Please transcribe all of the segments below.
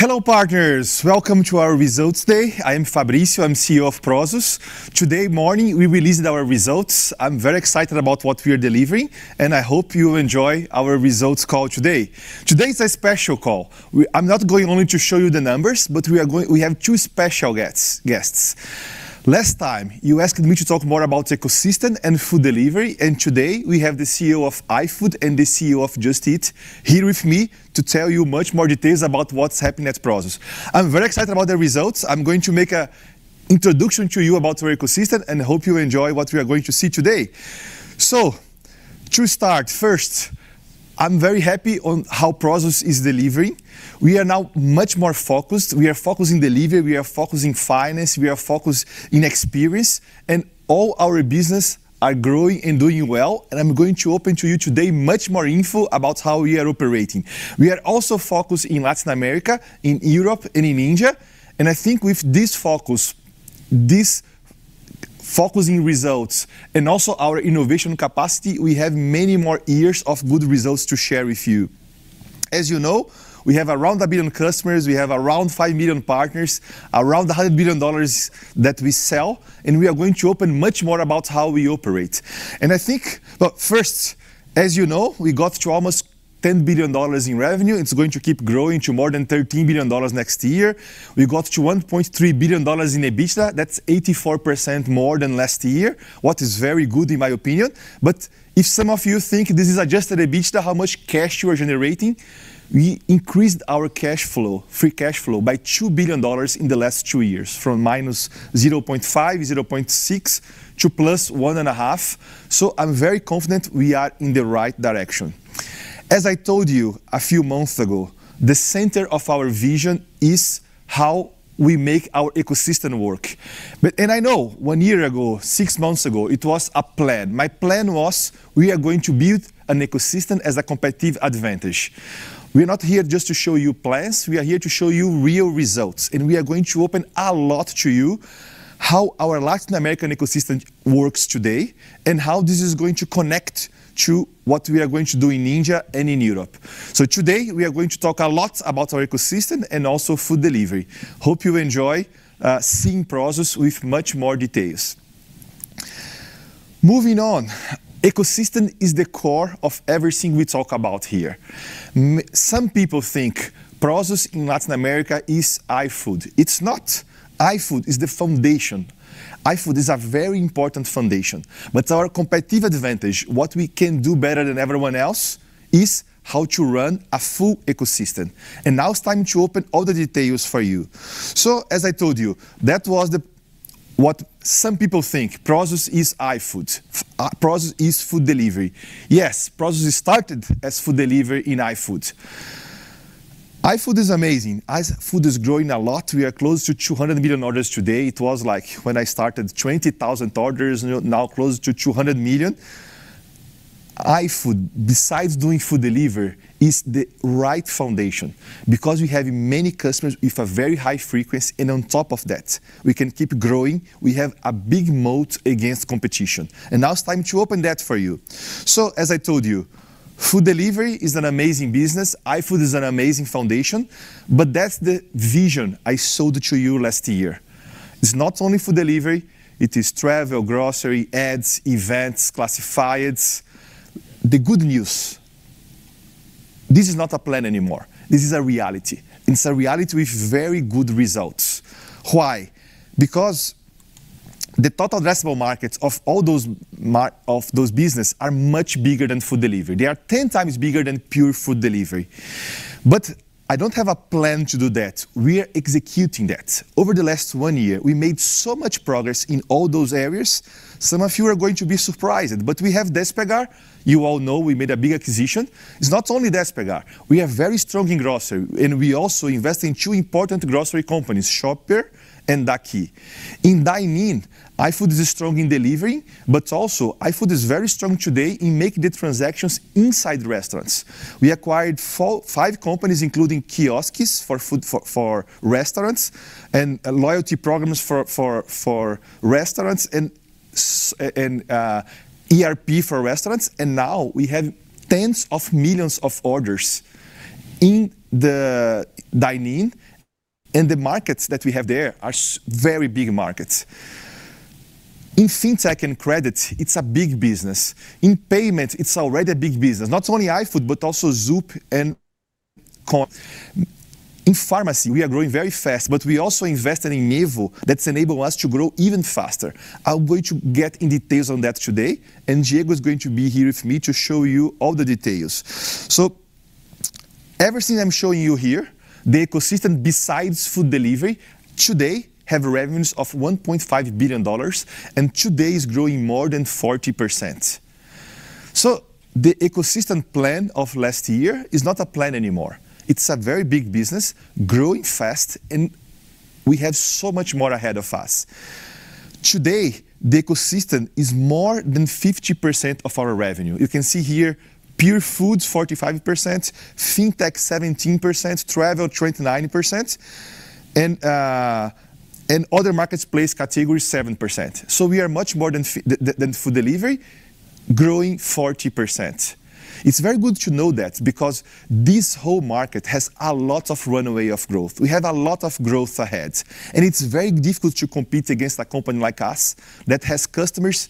Hello, partners. Welcome to our results day. I am Fabricio, I'm CEO of Prosus. Today morning, we released our results. I'm very excited about what we are delivering, and I hope you enjoy our results call today. Today is a special call. I'm not going only to show you the numbers, but we have two special guests. Last time, you asked me to talk more about ecosystem and food delivery, and today we have the CEO of iFood and the CEO of Just Eat here with me to tell you much more details about what's happening at Prosus. I'm very excited about the results. I'm going to make an introduction to you about our ecosystem, and hope you enjoy what we are going to see today. To start, first, I'm very happy on how Prosus is delivering. We are now much more focused. We are focused in delivery, we are focused in finance, we are focused in experience. All our businesses are growing and doing well, and I'm going to open to you today much more info about how we are operating. We are also focused in Latin America, in Europe and in India. I think with this focus, this focus in results and also our innovation capacity, we have many more years of good results to share with you. As you know, we have around a billion customers, we have around 5 million partners, around EUR 100 billion that we sell, and we are going to open much more about how we operate. First, as you know, we got to almost EUR 10 billion in revenue. It's going to keep growing to more than EUR 13 billion next year. We got to EUR 1.3 billion in EBITDA. That's 84% more than last year, which is very good in my opinion. If some of you think this is adjusted EBITDA, how much cash you are generating, we increased our cash flow, free cash flow, by EUR 2 billion in the last two years, from -0.5 billion, -0.6 billion, to +1.5 billion. I'm very confident we are in the right direction. As I told you a few months ago, the center of our vision is how we make our ecosystem work. I know one year ago, six months ago, it was a plan. My plan was we are going to build an ecosystem as a competitive advantage. We are not here just to show you plans. We are here to show you real results. We are going to open a lot to you how our Latin American ecosystem works today, and how this is going to connect to what we are going to do in India and in Europe. Today, we are going to talk a lot about our ecosystem and also food delivery. Hope you enjoy seeing Prosus with much more details. Moving on. Ecosystem is the core of everything we talk about here. Some people think Prosus in Latin America is iFood. It's not. iFood is the foundation. iFood is a very important foundation. Our competitive advantage, what we can do better than everyone else, is how to run a full ecosystem. Now it's time to open all the details for you. As I told you, that was what some people think, Prosus is iFood. Prosus is food delivery. Yes, Prosus started as food delivery in iFood. iFood is amazing. iFood is growing a lot. We are close to 200 million orders today. It was like when I started, 20,000 orders, now close to 200 million. iFood, besides doing food delivery, is the right foundation because we have many customers with a very high frequency, and on top of that, we can keep growing. We have a big moat against competition. Now it's time to open that for you. As I told you, food delivery is an amazing business. iFood is an amazing foundation. That's the vision I sold to you last year. It's not only food delivery, it is travel, grocery, ads, events, classifieds. The good news, this is not a plan anymore. This is a reality. It's a reality with very good results. Why? Because the Total Addressable Markets of those businesses are much bigger than food delivery. They are 10 times bigger than pure food delivery. I don't have a plan to do that. We are executing that. Over the last one year, we made so much progress in all those areas. Some of you are going to be surprised. We have Despegar. You all know we made a big acquisition. It's not only Despegar. We are very strong in grocery, and we also invest in two important grocery companies, Shopper and Daki. In dine-in, iFood is strong in delivery, but also iFood is very strong today in making the transactions inside restaurants. We acquired five companies, including kiosks for restaurants and loyalty programs for restaurants, and ERP for restaurants. Now we have tens of millions of orders in the dine-in. The markets that we have there are very big markets. In fintech and credit, it's a big business. In payment, it's already a big business, not only iFood, but also Zoop and Conduz. In pharmacy, we are growing very fast. We also invested in Mevo that's enabling us to grow even faster. I'm going to get in details on that today. Diego is going to be here with me to show you all the details. Everything I'm showing you here, the ecosystem besides food delivery today have revenues of $1.5 billion, and today is growing more than 40%. The ecosystem plan of last year is not a plan anymore. It's a very big business, growing fast. We have so much more ahead of us. Today, the ecosystem is more than 50% of our revenue. You can see here pure foods, 45%, fintech, 17%, travel, 29%. Other marketplace category, 7%. We are much more than food delivery, growing 40%. It's very good to know that because this whole market has a lot of runaway of growth. We have a lot of growth ahead. It's very difficult to compete against a company like us that has customers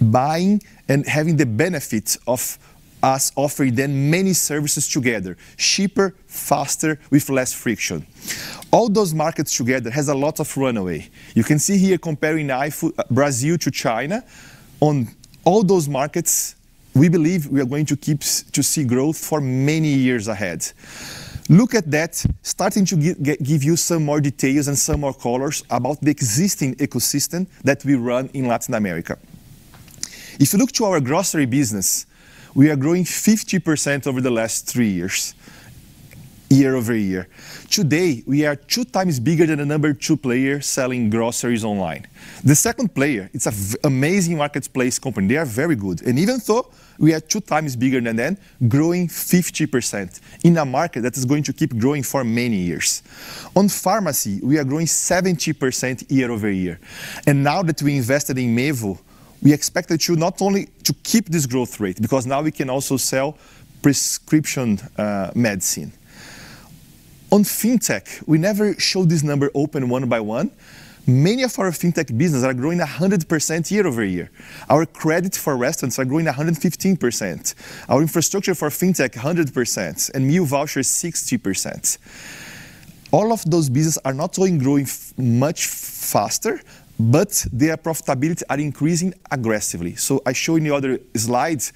buying and having the benefit of us offering them many services together, cheaper, faster, with less friction. All those markets together have a lot of runaway. You can see here comparing iFood Brazil to China. On all those markets, we believe we are going to keep to see growth for many years ahead. Look at that, starting to give you some more details and some more colors about the existing ecosystem that we run in Latin America. If you look to our grocery business, we are growing 50% over the last three years, year-over-year. Today, we are two times bigger than the number two player selling groceries online. The second player, it's an amazing marketplace company. They are very good. Even so, we are two times bigger than them, growing 50% in a market that is going to keep growing for many years. On pharmacy, we are growing 70% year-over-year. Now that we invested in Mevo, we expect that to not only to keep this growth rate, because now we can also sell prescription medicine. On fintech, we never show this number open one by one. Many of our fintech businesses are growing 100% year-over-year. Our credit for restaurants are growing 115%. Our infrastructure for fintech, 100%, and new voucher, 60%. All of those businesses are not only growing much faster, but their profitability are increasing aggressively. I show in the other slides,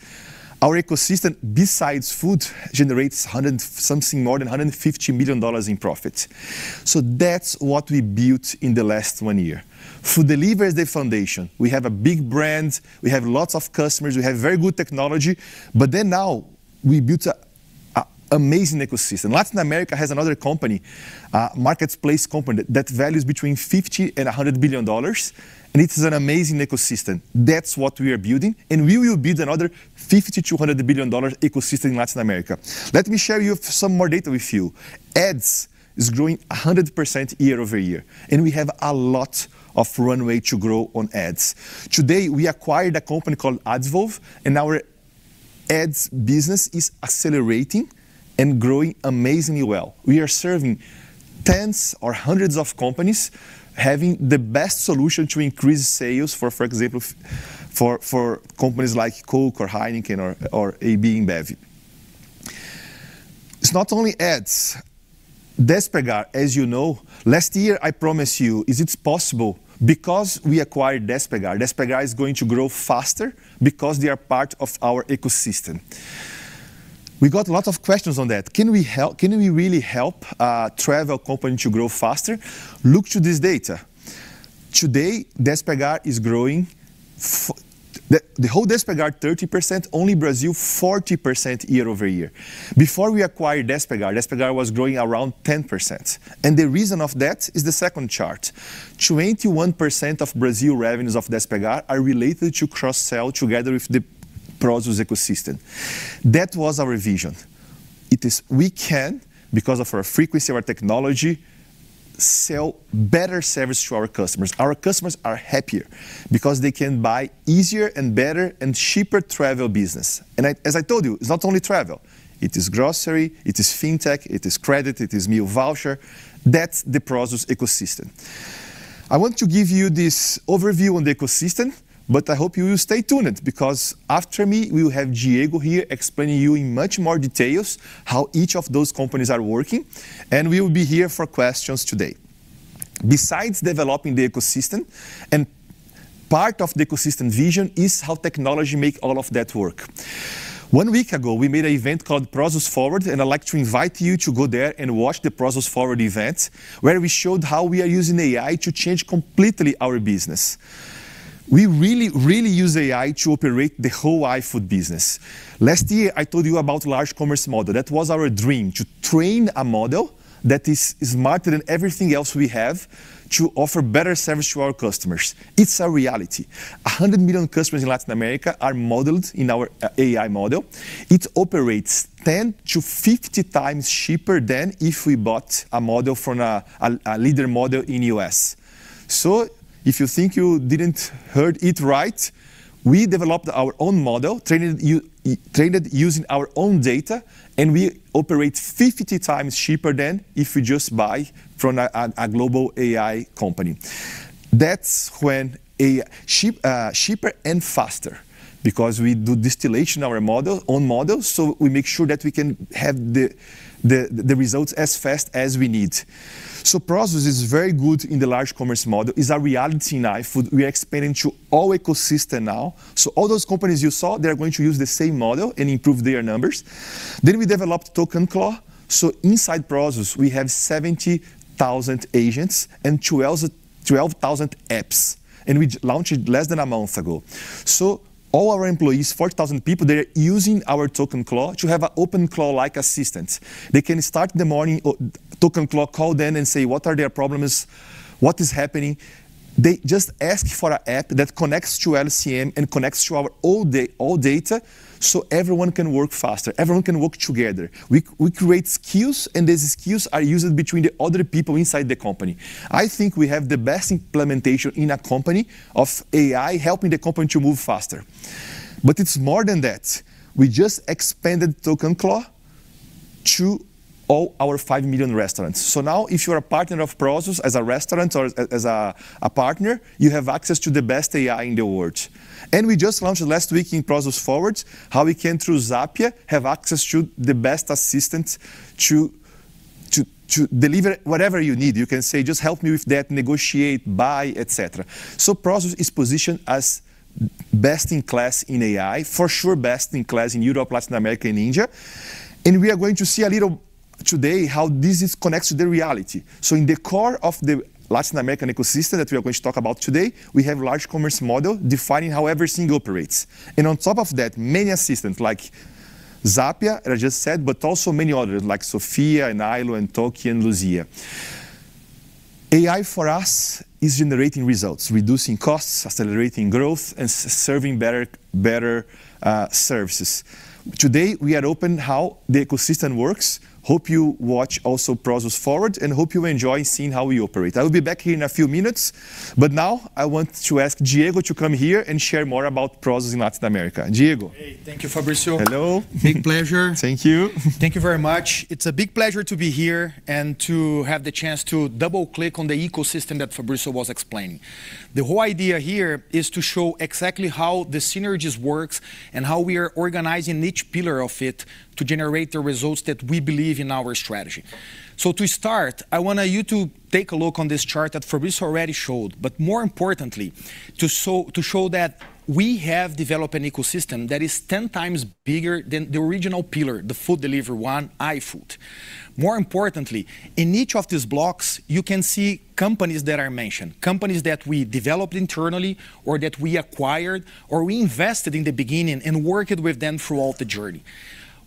our ecosystem, besides food, generates something more than $150 million in profit. That's what we built in the last one year. Food delivery is the foundation. We have a big brand, we have lots of customers, we have very good technology. Now we built an amazing ecosystem. Latin America has another company, a marketplace company, that values between $50 billion and $100 billion, and it is an amazing ecosystem. That's what we are building, and we will build another $50 billion-$100 billion ecosystem in Latin America. Let me share some more data with you. Ads is growing 100% year-over-year. We have a lot of runway to grow on ads. Today, we acquired a company called Advolve, and our ads business is accelerating and growing amazingly well. We are serving tens or hundreds of companies, having the best solution to increase sales, for example, for companies like Coke or Heineken or AB InBev. It's not only ads. Despegar, as you know, last year, I promised you, is it possible because we acquired Despegar is going to grow faster because they are part of our ecosystem. We got lots of questions on that. Can we really help a travel company to grow faster? Look to this data. Today, Despegar is growing. The whole Despegar 30%, only Brazil 40% year-over-year. Before we acquired Despegar was growing around 10%, and the reason of that is the second chart. 21% of Brazil revenues of Despegar are related to cross-sell together with the Prosus ecosystem. That was our vision. It is we can, because of our frequency, our technology, sell better service to our customers. Our customers are happier because they can buy easier and better and cheaper travel business. As I told you, it's not only travel. It is grocery, it is fintech, it is credit, it is new voucher. That's the Prosus ecosystem. I want to give you this overview on the ecosystem. I hope you will stay tuned because after me, we will have Diego here explaining you in much more details how each of those companies are working, and we will be here for questions today. Besides developing the ecosystem, part of the ecosystem vision is how technology make all of that work. One week ago, we made an event called Prosus Forward, and I'd like to invite you to go there and watch the Prosus Forward event where we showed how we are using AI to change completely our business. We really, really use AI to operate the whole iFood business. Last year, I told you about Large Commerce Model. That was our dream, to train a model that is smarter than everything else we have to offer better service to our customers. It's a reality. 100 million customers in Latin America are modeled in our AI model. It operates 10-50 times cheaper than if we bought a model from a leader model in U.S. If you think you didn't hear it right, we developed our own model, trained it using our own data, and we operate 50 times cheaper than if we just buy from a global AI company. That's when cheaper and faster because we do distillation on models, so we make sure that we can have the results as fast as we need. Prosus is very good in the Large Commerce Model. It's a reality in iFood. We are expanding to all ecosystem now. All those companies you saw, they're going to use the same model and improve their numbers. We developed ToqanClaw. Inside Prosus, we have 70,000 agents and 12,000 apps, and we launched it less than a month ago. All our employees, 4,000 people, they're using our ToqanClaw to have an OpenClaw-like assistant. They can start the morning, ToqanClaw calls them and say what are their problems, what is happening. They just ask for an app that connects to LCM and connects to our all data, so everyone can work faster. Everyone can work together. We create skills, and these skills are used between the other people inside the company. I think we have the best implementation in a company of AI helping the company to move faster. It's more than that. We just expanded ToqanClaw to all our 5 million restaurants. Now, if you are a partner of Prosus as a restaurant or as a partner, you have access to the best AI in the world. We just launched last week in Prosus Forward, how we can, through Zapia, have access to the best assistant to deliver whatever you need. You can say, "Just help me with that, negotiate, buy," et cetera. Prosus is positioned as best in class in AI. For sure best in class in Europe, Latin America, and India. We are going to see a little today how this connects to the reality. In the core of the Latin American ecosystem that we are going to talk about today, we have Large Commerce Model defining how every single operates. On top of that, many assistants like Zapia, that I just said, but also many others like Sophia and Ailo and Toki and Luzia. AI for us is generating results, reducing costs, accelerating growth, and serving better services. Today, we are open how the ecosystem works. Hope you watch also Prosus Forward, and hope you enjoy seeing how we operate. I will be back here in a few minutes, now I want to ask Diego to come here and share more about Prosus in Latin America. Diego. Hey. Thank you, Fabricio. Hello. Big pleasure. Thank you. Thank you very much. It's a big pleasure to be here and to have the chance to double-click on the ecosystem that Fabricio was explaining. The whole idea here is to show exactly how the synergies works, and how we are organizing each pillar of it to generate the results that we believe in our strategy. To start, I want you to take a look on this chart that Fabricio already showed. More importantly, to show that we have developed an ecosystem that is 10 times bigger than the original pillar, the food delivery one, iFood. More importantly, in each of these blocks, you can see companies that are mentioned, companies that we developed internally or that we acquired or we invested in the beginning and worked with them throughout the journey.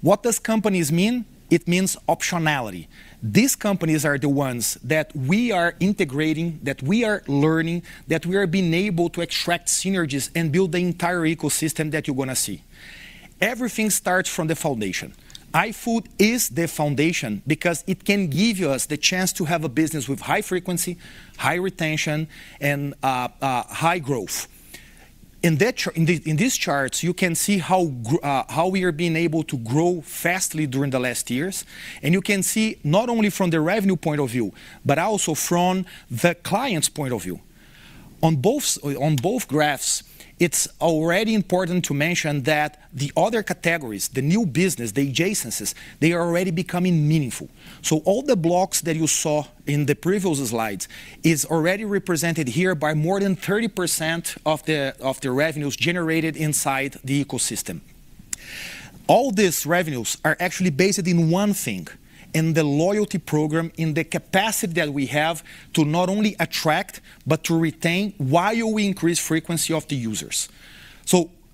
What does companies mean? It means optionality. These companies are the ones that we are integrating, that we are learning, that we are being able to extract synergies and build the entire ecosystem that you're going to see. Everything starts from the foundation. iFood is the foundation because it can give us the chance to have a business with high frequency, high retention, and high growth. In these charts, you can see how we are being able to grow fast during the last years. You can see not only from the revenue point of view, but also from the client's point of view. On both graphs, it's already important to mention that the other categories, the new business, the adjacencies, they are already becoming meaningful. All the blocks that you saw in the previous slides is already represented here by more than 30% of the revenues generated inside the ecosystem. All these revenues are actually based in one thing, in the loyalty program, in the capacity that we have to not only attract but to retain while we increase frequency of the users.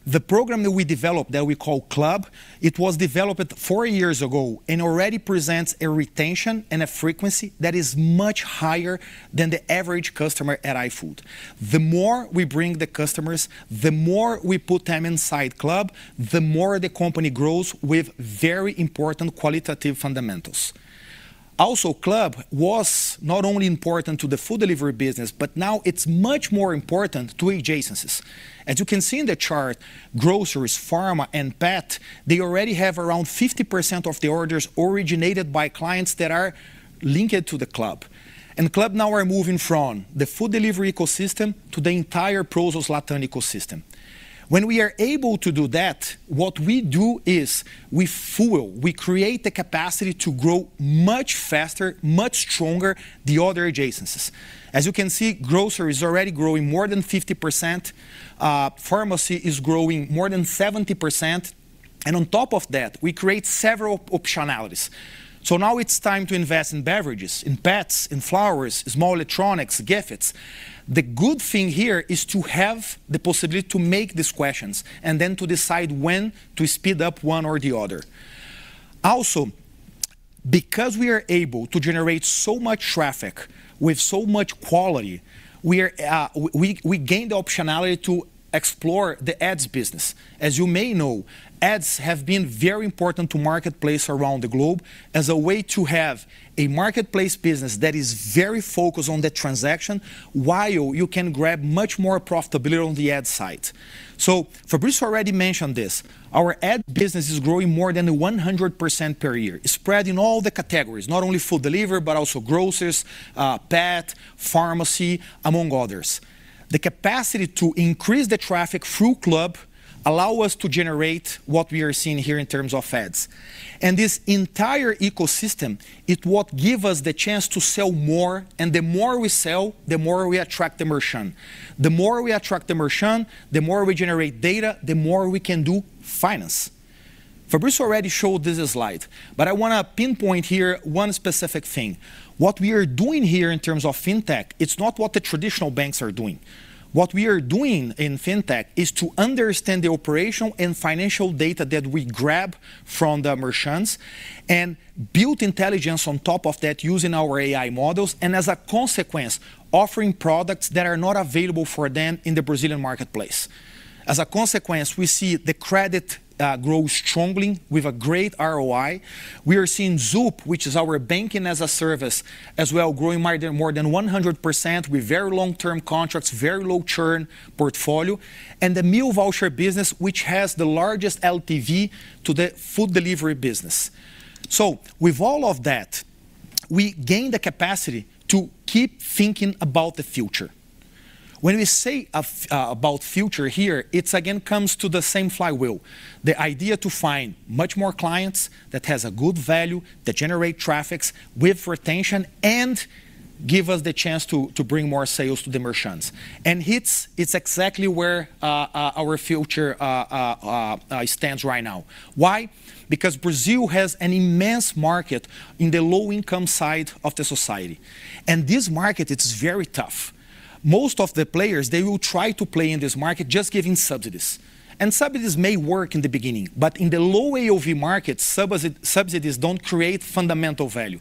The program that we developed that we call Club, it was developed four years ago and already presents a retention and a frequency that is much higher than the average customer at iFood. The more we bring the customers, the more we put them inside Club, the more the company grows with very important qualitative fundamentals. Also, Club was not only important to the food delivery business, but now it's much more important to adjacencies. As you can see in the chart, groceries, pharma, and pet, they already have around 50% of the orders originated by clients that are linked to the Club. Club now are moving from the food delivery ecosystem to the entire Prosus Latin ecosystem. When we are able to do that, what we do is we fuel, we create the capacity to grow much faster, much stronger, the other adjacencies. As you can see, grocery is already growing more than 50%, pharmacy is growing more than 70%, and on top of that, we create several optionalities. Now it's time to invest in beverages, in pets, in flowers, small electronics, gifts. The good thing here is to have the possibility to make these questions, and then to decide when to speed up one or the other. Also, because we are able to generate so much traffic with so much quality, we gained the optionality to explore the ads business. As you may know, ads have been very important to marketplace around the globe as a way to have a marketplace business that is very focused on the transaction while you can grab much more profitability on the ad side. Fabricio already mentioned this. Our ad business is growing more than 100% per year. It's spread in all the categories, not only food delivery, but also groceries, pet, pharmacy, among others. The capacity to increase the traffic through Club allow us to generate what we are seeing here in terms of ads. This entire ecosystem, it what give us the chance to sell more, and the more we sell, the more we attract the merchant. The more we attract the merchant, the more we generate data, the more we can do finance. Fabricio already showed this slide, but I want to pinpoint here one specific thing. What we are doing here in terms of fintech, it's not what the traditional banks are doing. What we are doing in fintech is to understand the operational and financial data that we grab from the merchants, and build intelligence on top of that using our AI models, and as a consequence, offering products that are not available for them in the Brazilian marketplace. As a consequence, we see the credit grow strongly with a great ROI. We are seeing Zoop, which is our banking as a service, as well, growing more than 100% with very long-term contracts, very low churn portfolio, and the meal voucher business, which has the largest LTV to the food delivery business. With all of that, we gain the capacity to keep thinking about the future. When we say about future here, it again comes to the same flywheel. The idea to find much more clients that has a good value, that generate traffics with retention and give us the chance to bring more sales to the merchants. Hits, it's exactly where our future stands right now. Why? Because Brazil has an immense market in the low-income side of the society, and this market, it's very tough. Most of the players, they will try to play in this market just giving subsidies. Subsidies may work in the beginning, but in the low AOV markets, subsidies don't create fundamental value.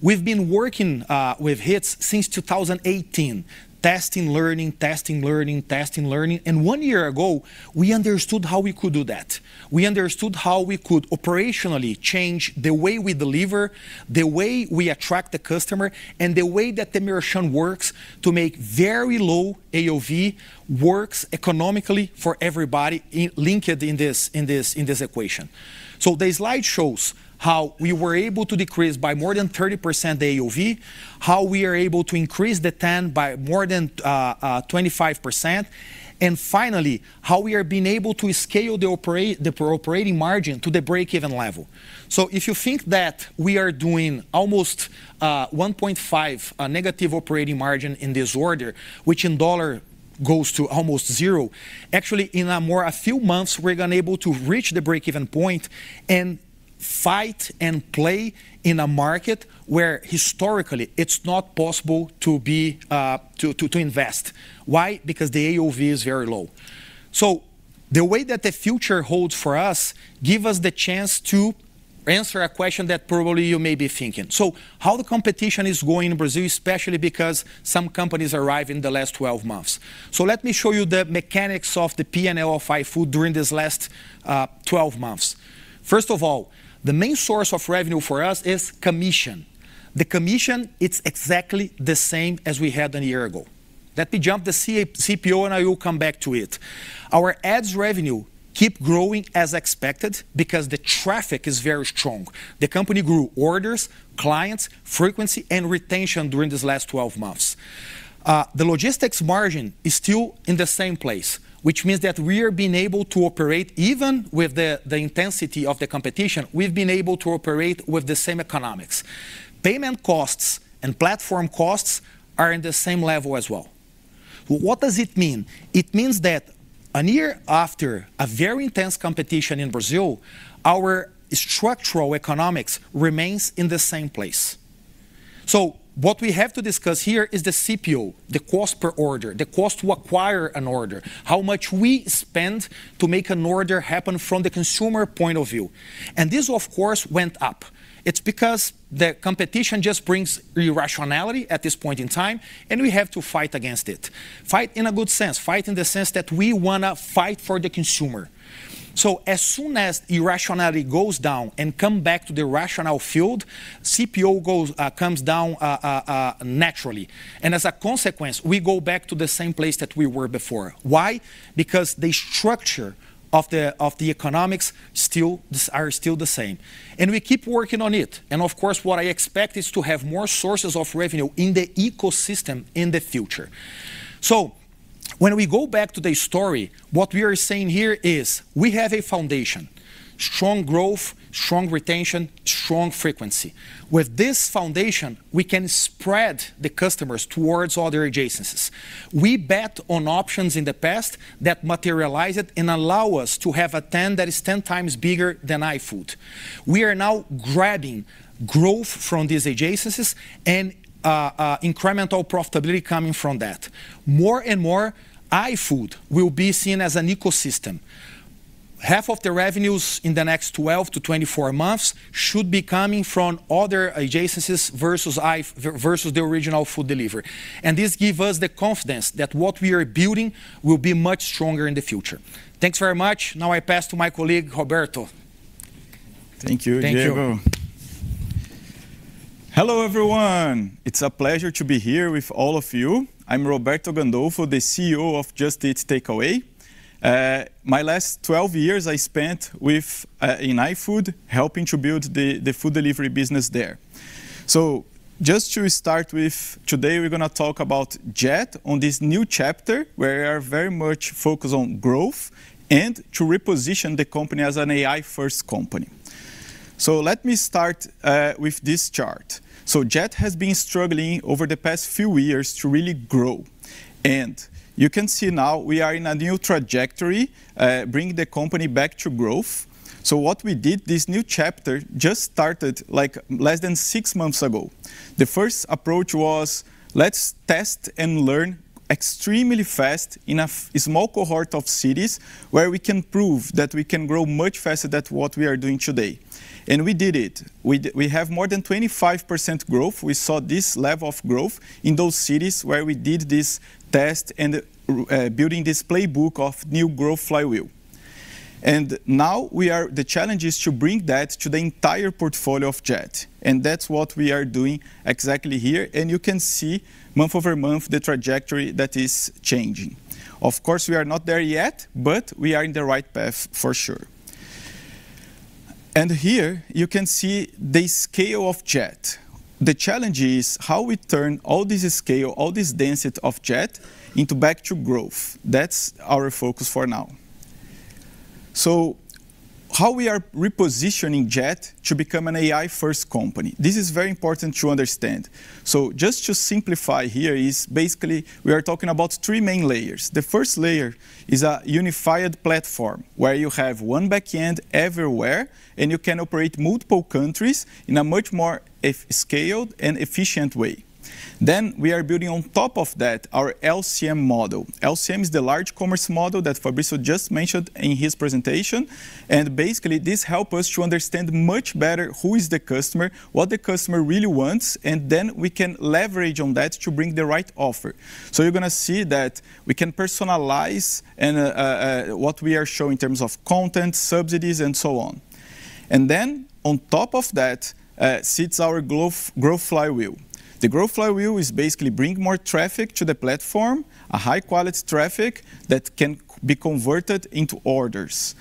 We've been working with Hits since 2018, testing, learning, testing, learning, testing, learning, and one year ago, we understood how we could do that. We understood how we could operationally change the way we deliver, the way we attract the customer, and the way that the merchant works to make very low AOV works economically for everybody linked in this equation. The slide shows how we were able to decrease by more than 30% the AOV, how we are able to increase the TAM by more than 25%, and finally, how we are being able to scale the operating margin to the breakeven level. If you think that we are doing almost 1.5- operating margin in this order, which in dollar goes to almost zero, actually in a few months, we're going to able to reach the breakeven point and fight and play in a market where historically it's not possible to invest. Why? Because the AOV is very low. The way that the future holds for us, give is the chance to answer a question that probably may be thinking. How the competition is going in Brazil, especially because some companies arrive in the last 12 months. Let me show you the mechanics of the P&L of iFood during this last 12 months. First of all, the main source of revenue for us is commission. The commission, it's exactly the same as we had one year ago. Let me jump the CPO and I will come back to it. Our ads revenue keep growing as expected because the traffic is very strong. The company grew orders, clients, frequency, and retention during these last 12 months. The logistics margin is still in the same place, which means that we are being able to operate even with the intensity of the competition, we've been able to operate with the same economics. Payment costs and platform costs are in the same level as well. What does it mean? It means that one year after a very intense competition in Brazil, our structural economics remains in the same place. What we have to discuss here is the CPO, the cost per order, the cost to acquire an order, how much we spend to make an order happen from the consumer point of view. This, of course, went up. It's because the competition just brings irrationality at this point in time, and we have to fight against it. Fight in a good sense, fight in the sense that we want to fight for the consumer. As soon as irrationality goes down and come back to the rational field, CPO comes down naturally, and as a consequence, we go back to the same place that we were before. Why? Because the structure of the economics are still the same. We keep working on it. Of course, what I expect is to have more sources of revenue in the ecosystem in the future. When we go back to the story, what we are saying here is we have a foundation. Strong growth, strong retention, strong frequency. With this foundation, we can spread the customers towards other adjacencies. We bet on options in the past that materialize it and allow us to have a TAM that is 10 times bigger than iFood. We are now grabbing growth from these adjacencies and incremental profitability coming from that. More and more, iFood will be seen as an ecosystem. Half of the revenues in the next 12-24 months should be coming from other adjacencies versus the original food delivery. This give us the confidence that what we are building will be much stronger in the future. Thanks very much. Now I pass to my colleague, Roberto. Thank you, Diego. Thank you. Hello, everyone. It's a pleasure to be here with all of you. I'm Roberto Gandolfo, the CEO of Just Eat Takeaway.com. My last 12 years I spent in iFood helping to build the food delivery business there. Just to start with today, we're going to talk about JET on this new chapter, where we are very much focused on growth and to reposition the company as an AI-first company. Let me start with this chart. JET has been struggling over the past few years to really grow, and you can see now we are in a new trajectory, bringing the company back to growth. What we did, this new chapter just started less than six months ago. The first approach was let's test and learn extremely fast in a small cohort of cities where we can prove that we can grow much faster than what we are doing today. We did it. We have more than 25% growth. We saw this level of growth in those cities where we did this test and building this playbook of new growth flywheel. Now the challenge is to bring that to the entire portfolio of JET, and that's what we are doing exactly here. You can see month-over-month the trajectory that is changing. Of course, we are not there yet, but we are in the right path for sure. Here you can see the scale of JET. The challenge is how we turn all this scale, all this density of JET into back to growth. That's our focus for now. How we are repositioning JET to become an AI-first company. This is very important to understand. Just to simplify here is basically we are talking about three main layers. The first layer is a unified platform where you have one back end everywhere, and you can operate multiple countries in a much more scaled and efficient way. We are building on top of that our LCM model. LCM is the Large Commerce Model that Fabricio just mentioned in his presentation. Basically, this help us to understand much better who is the customer, what the customer really wants, and then we can leverage on that to bring the right offer. You're going to see that we can personalize what we are showing in terms of content, subsidies, and so on. Then on top of that sits our growth flywheel. The growth flywheel is basically bring more traffic to the platform, a high-quality traffic that can be converted into orders.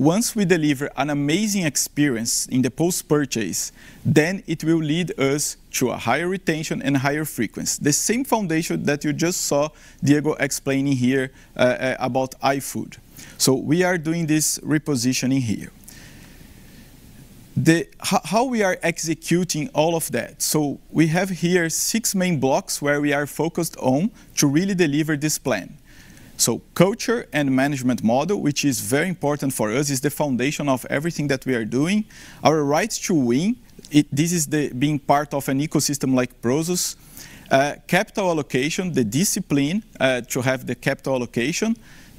Once we deliver an amazing experience in the post-purchase, it will lead us to a higher retention and higher frequency. The same foundation that you just saw Diego explaining here about iFood. We are doing this repositioning here. How we are executing all of that? We have here six main blocks where we are focused on to really deliver this plan. Culture and management model, which is very important for us, is the foundation of everything that we are doing. Our right to win, this is being part of an ecosystem like Prosus. Capital allocation, the discipline to have the capital allocation.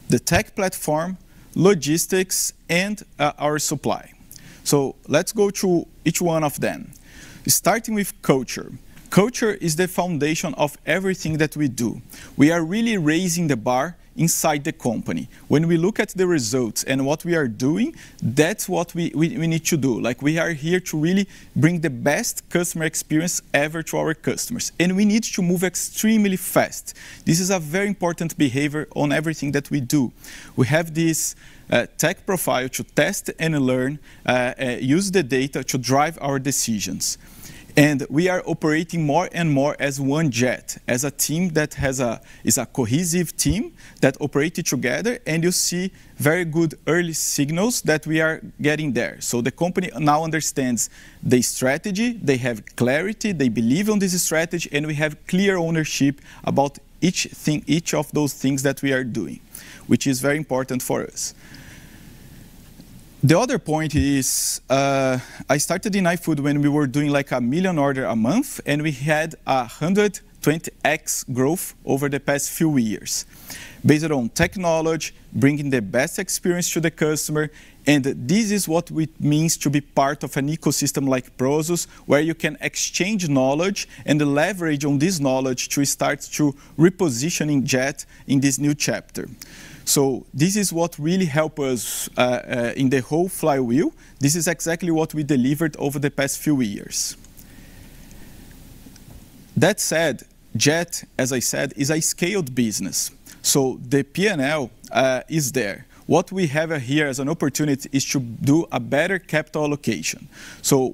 The tech platform, logistics, and our supply. Let's go through each one of them, starting with culture. Culture is the foundation of everything that we do. We are really raising the bar inside the company. When we look at the results and what we are doing, that's what we need to do. We are here to really bring the best customer experience ever to our customers, and we need to move extremely fast. This is a very important behavior on everything that we do. We have this tech profile to test and learn, use the data to drive our decisions. We are operating more and more as one JET, as a team that is a cohesive team that operated together. You see very good early signals that we are getting there. The company now understands the strategy. They have clarity. They believe in this strategy, we have clear ownership about each of those things that we are doing, which is very important for us. The other point is, I started in iFood when we were doing, like, a million order a month, and we had 120x growth over the past few years based on technology, bringing the best experience to the customer, and this is what it means to be part of an ecosystem like Prosus, where you can exchange knowledge and leverage on this knowledge to start to repositioning JET in this new chapter. This is what really help us in the whole flywheel. This is exactly what we delivered over the past few years. That said, JET, as I said, is a scaled business, the P&L is there. What we have here as an opportunity is to do a better capital allocation.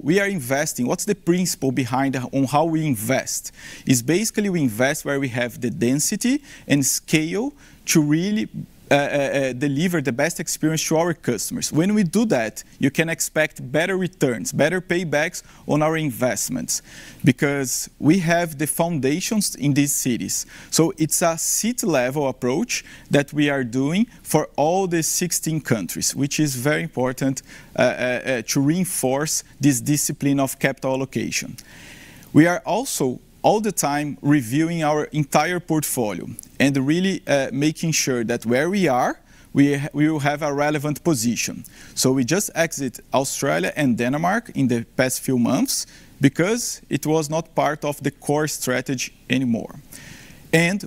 We are investing. What's the principle behind on how we invest? Is basically we invest where we have the density and scale to really deliver the best experience to our customers. When we do that, you can expect better returns, better paybacks on our investments because we have the foundations in these cities. It's a city-level approach that we are doing for all the 16 countries, which is very important to reinforce this discipline of capital allocation. We are also all the time reviewing our entire portfolio and really making sure that where we are, we will have a relevant position. We just exit Australia and Denmark in the past few months because it was not part of the core strategy anymore.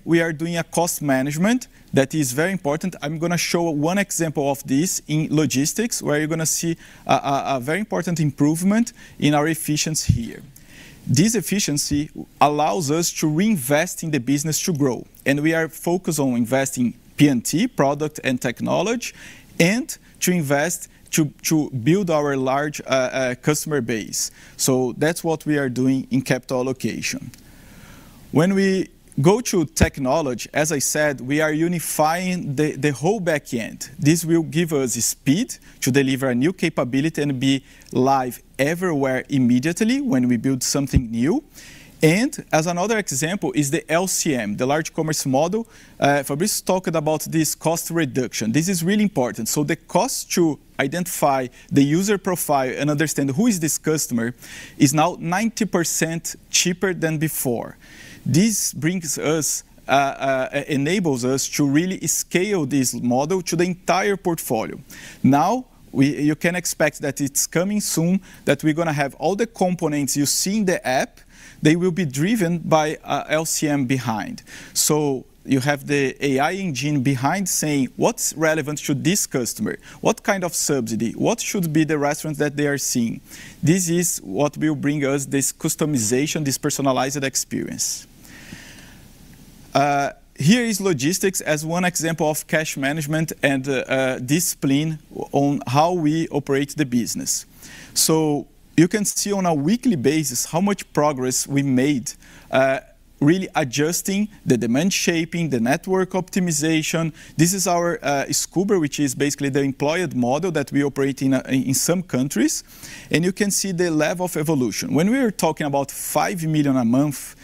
We are doing a cost management that is very important. I'm going to show one example of this in logistics, where you're going to see a very important improvement in our efficiency here. This efficiency allows us to reinvest in the business to grow, and we are focused on investing P&T, product and technology, and to invest to build our large customer base. That's what we are doing in capital allocation. When we go to technology, as I said, we are unifying the whole back end. This will give us speed to deliver a new capability and be live everywhere immediately when we build something new. As another example is the LCM, the Large Commerce Model. Fabricio talked about this cost reduction. This is really important. The cost to identify the user profile and understand who is this customer is now 90% cheaper than before. This enables us to really scale this model to the entire portfolio. Now you can expect that it's coming soon, that we're going to have all the components you see in the app, they will be driven by LCM behind. You have the AI engine behind saying, "What's relevant to this customer? What kind of subsidy? What should be the restaurant that they are seeing?" This is what will bring us this customization, this personalized experience. Here is logistics as one example of cash management and discipline on how we operate the business. You can see on a weekly basis how much progress we made really adjusting the demand shaping, the network optimization. This is our Scoober, which is basically the employed model that we operate in some countries. You can see the level of evolution. When we are talking about 5 million a month,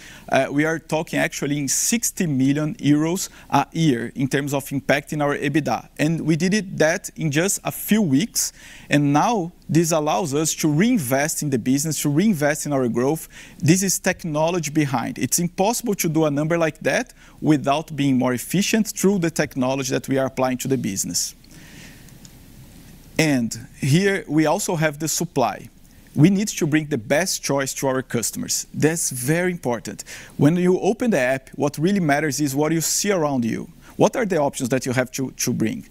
we are talking actually 60 million euros a year in terms of impact in our EBITDA. We did that in just a few weeks. Now this allows us to reinvest in the business, to reinvest in our growth. This is technology behind. It's impossible to do a number like that without being more efficient through the technology that we are applying to the business. Here we also have the supply. We need to bring the best choice to our customers. That's very important. When you open the app, what really matters is what you see around you. What are the options that you have to bring?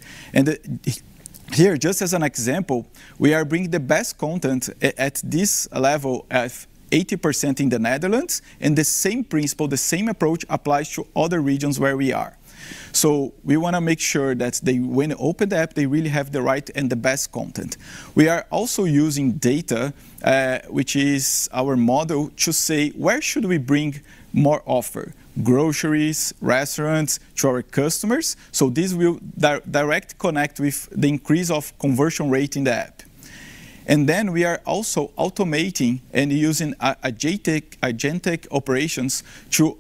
Here, just as an example, we are bringing the best content at this level at 80% in the Netherlands and the same principle, the same approach applies to other regions where we are. We want to make sure that when they open the app, they really have the right and the best content. We are also using data which is our model to say where should we bring more offer, groceries, restaurants to our customers. This will direct connect with the increase of conversion rate in the app. Then we are also automating and using agentic operations to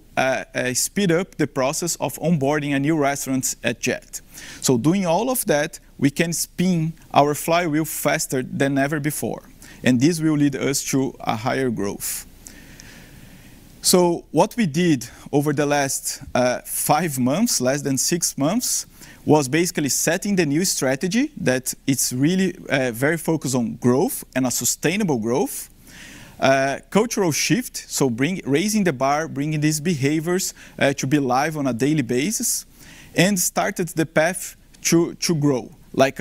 speed up the process of onboarding a new restaurant at JET. Doing all of that, we can spin our flywheel faster than ever before, this will lead us to a higher growth. What we did over the last five months, less than six months, was basically setting the new strategy that it's really very focused on growth and a sustainable growth. Cultural shift, raising the bar, bringing these behaviors to be live on a daily basis, and started the path to grow, like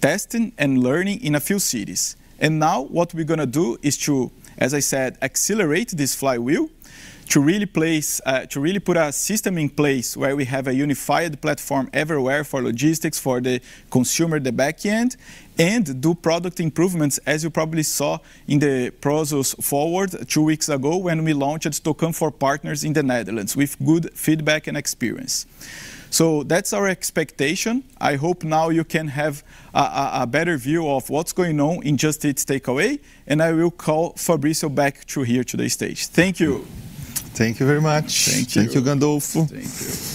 testing and learning in a few cities. Now what we're going to do is to, as I said, accelerate this flywheel to really put a system in place where we have a unified platform everywhere for logistics, for the consumer, the back end, and do product improvements, as you probably saw in the Prosus Forward two weeks ago when we launched Toqan for partners in the Netherlands with good feedback and experience. That's our expectation. I hope now you can have a better view of what's going on in Just Eat Takeaway.com. I will call Fabricio back to here to the stage. Thank you. Thank you very much. Thank you. Thank you, Gandolfo. Thank you.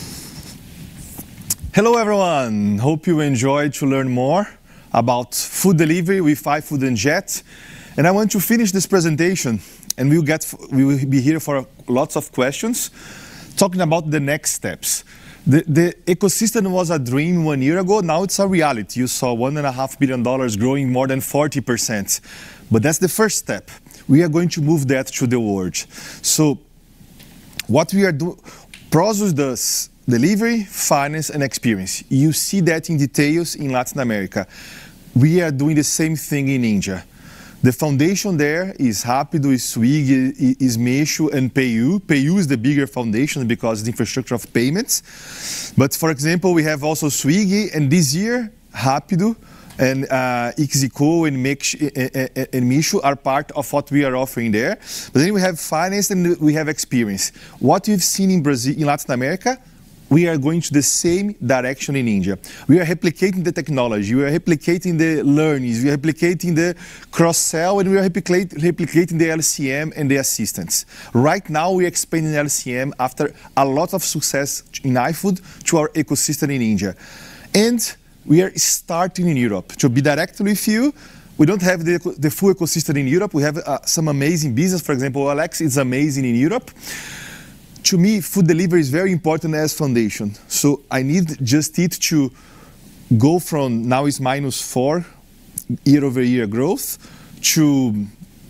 Hello, everyone. Hope you enjoyed to learn more about food delivery with iFood and JET. I want to finish this presentation. We will be here for lots of questions, talking about the next steps. The ecosystem was a dream one year ago, now it's a reality. You saw $1.5 billion growing more than 40%, but that's the first step. We are going to move that to the world. Prosus does delivery, finance, and experience. You see that in details in Latin America. We are doing the same thing in India. The foundation there is Rapido, is Swiggy, is Meesho, and PayU. PayU is the bigger foundation because the infrastructure of payments. For example, we have also Swiggy, and this year, Rapido, and ixigo, and Meesho are part of what we are offering there. We have finance, and we have experience. What you've seen in Latin America, we are going to the same direction in India. We are replicating the technology. We are replicating the learnings. We are replicating the cross-sell, and we are replicating the LCM and the assistance. Right now, we're expanding the LCM after a lot of success in iFood to our ecosystem in India. We are starting in Europe. To be direct with you, we don't have the full ecosystem in Europe. We have some amazing business. For example, OLX is amazing in Europe. To me, food delivery is very important as foundation. I need Just Eat to go from now is -4 year-over-year growth to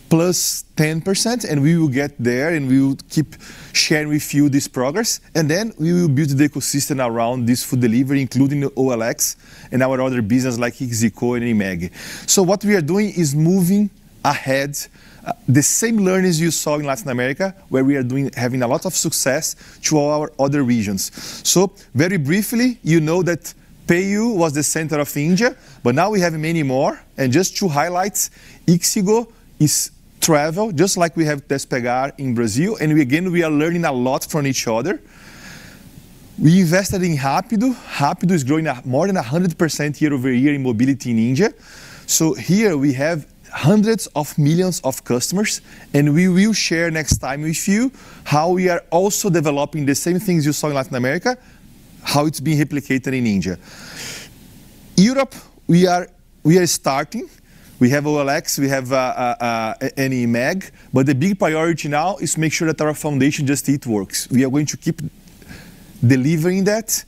+10%, and we will get there, and we will keep sharing with you this progress. We will build the ecosystem around this food delivery, including OLX and our other business like ixigo and eMAG. What we are doing is moving ahead the same learnings you saw in Latin America, where we are having a lot of success to our other regions. Very briefly, you know that PayU was the center of India, but now we have many more. Just to highlight, ixigo is travel, just like we have Despegar in Brazil, and again, we are learning a lot from each other. We invested in Rapido. Rapido is growing at more than 100% year-over-year in mobility in India. Here we have hundreds of millions of customers, and we will share next time with you how we are also developing the same things you saw in Latin America, how it is being replicated in India. Europe, we are starting. We have OLX, we have eMAG, the big priority now is to make sure that our foundation Just Eat works. We are going to keep delivering that,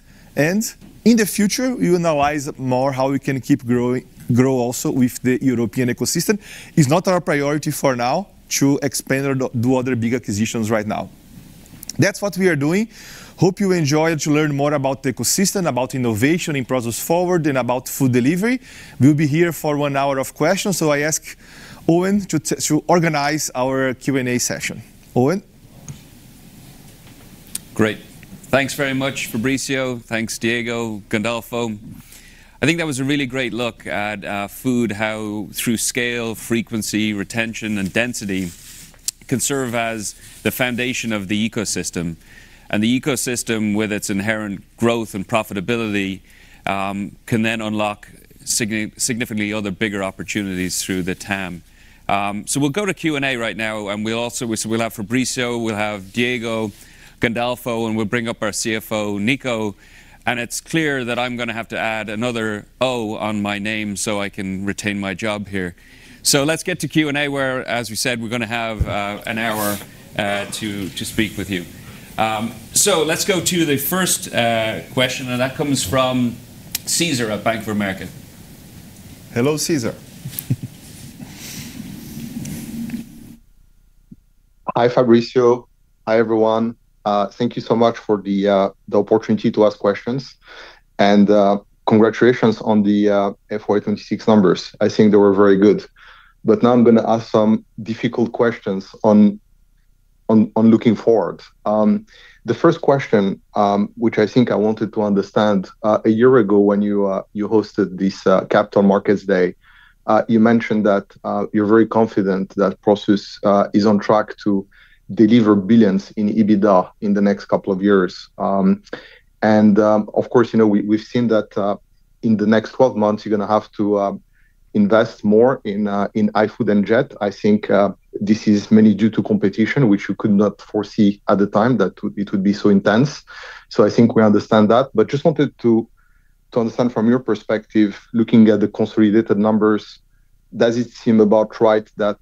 in the future, we analyze more how we can keep grow also with the European ecosystem. It is not our priority for now to expand or do other big acquisitions right now. That is what we are doing. Hope you enjoyed to learn more about the ecosystem, about innovation in Prosus Forward, and about food delivery. We will be here for one hour of questions, I ask Eoin to organize our Q&A session. Eoin? Great. Thanks very much, Fabricio. Thanks, Diego, Gandolfo. I think that was a really great look at food, how through scale, frequency, retention, and density, can serve as the foundation of the ecosystem, the ecosystem with its inherent growth and profitability, can then unlock significantly other bigger opportunities through the TAM. We will go to Q&A right now, and we will have Fabricio, we will have Diego, Gandolfo, and we will bring up our CFO, Nico. It is clear that I am going to have to add another O on my name so I can retain my job here. Let us get to Q&A, where, as we said, we are going to have an hour to speak with you. Let us go to the first question, and that comes from Cesar at Bank of America. Hello, Cesar. Hi, Fabricio. Hi, everyone. Thank you so much for the opportunity to ask questions. Congratulations on the FY 2026 numbers. I think they were very good. Now I'm going to ask some difficult questions on looking forward. The first question, which I think I wanted to understand, a year ago when you hosted this Capital Markets Day, you mentioned that you're very confident that Prosus is on track to deliver billions in EBITDA in the next couple of years. Of course, we've seen that in the next 12 months you're going to have to invest more in iFood and JET. I think this is mainly due to competition, which you could not foresee at the time that it would be so intense. I think we understand that, but just wanted to understand from your perspective, looking at the consolidated numbers, does it seem about right that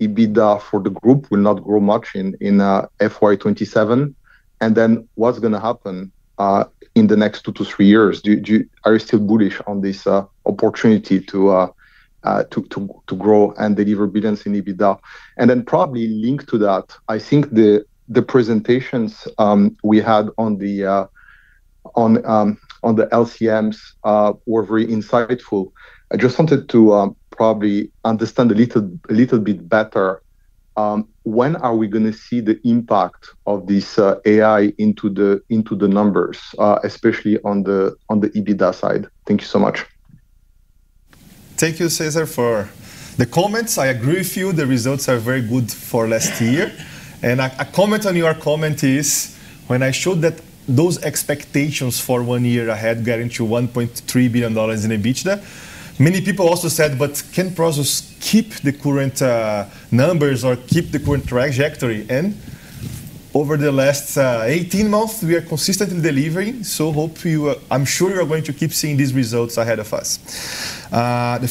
EBITDA for the group will not grow much in FY 2027? What's going to happen in the next two to three years? Are you still bullish on this opportunity to grow and deliver billions in EBITDA? Probably linked to that, I think the presentations we had on the LCMs were very insightful. I just wanted to probably understand a little bit better, when are we going to see the impact of this AI into the numbers, especially on the EBITDA side? Thank you so much. Thank you, Cesar, for the comments. I agree with you, the results are very good for last year. A comment on your comment is, when I showed that those expectations for one year ahead guarantee $1.3 billion in EBITDA, many people also said, "Can Prosus keep the current numbers or keep the current trajectory in?" Over the last 18 months, we are consistently delivering, so I'm sure you're going to keep seeing these results ahead of us.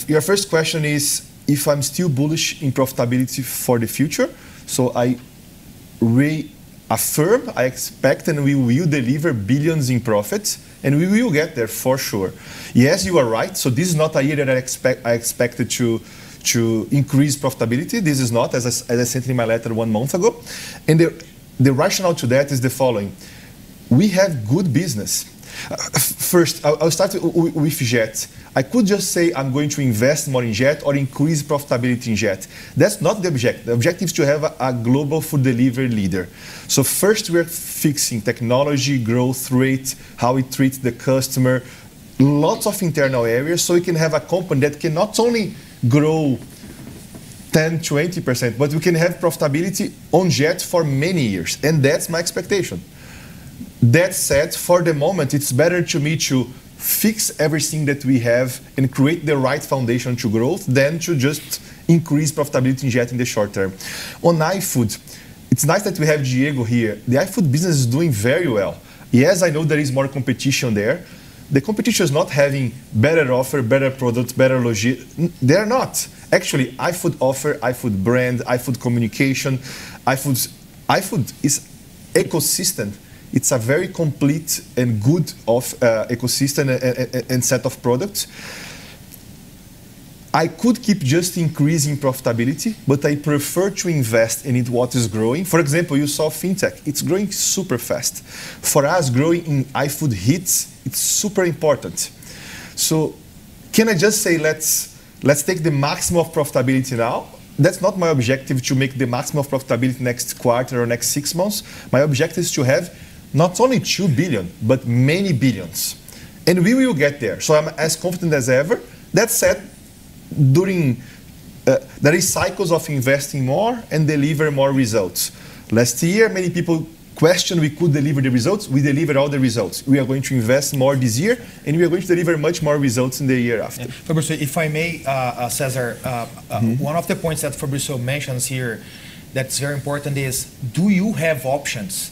Your first question is if I'm still bullish in profitability for the future. I reaffirm, I expect, and we will deliver billions in profits, and we will get there for sure. Yes, you are right. This is not a year that I expected to increase profitability. This is not, as I said in my letter one month ago. The rationale to that is the following: We have good business. First, I'll start with JET. I could just say I'm going to invest more in JET or increase profitability in JET. That's not the objective. The objective is to have a global food delivery leader. First we're fixing technology, growth rate, how we treat the customer, lots of internal areas so we can have a company that can not only grow 10%-20%, but we can have profitability on JET for many years, and that's my expectation. That said, for the moment, it's better to me to fix everything that we have and create the right foundation to growth than to just increase profitability in JET in the short term. On iFood, it's nice that we have Diego here. The iFood business is doing very well. Yes, I know there is more competition there. The competition is not having better offer, better product, better logistics. They are not. Actually, iFood offer, iFood brand, iFood communication. iFood is ecosystemmed. It's a very complete and good ecosystem and set of products. I could keep just increasing profitability, but I prefer to invest in it what is growing. For example, you saw fintech. It's growing super fast. For us, growing in iFood Hits, it's super important. Can I just say let's take the maximum of profitability now? That's not my objective to make the maximum of profitability next quarter or next six months. My objective is to have not only $2 billion, but many billions. We will get there. I'm as confident as ever. That said, there is cycles of investing more and deliver more results. Last year, many people questioned we could deliver the results. We delivered all the results. We are going to invest more this year, and we are going to deliver much more results in the year after. Fabricio, if I may, Cesar. One of the points that Fabricio mentions here that's very important is do you have options?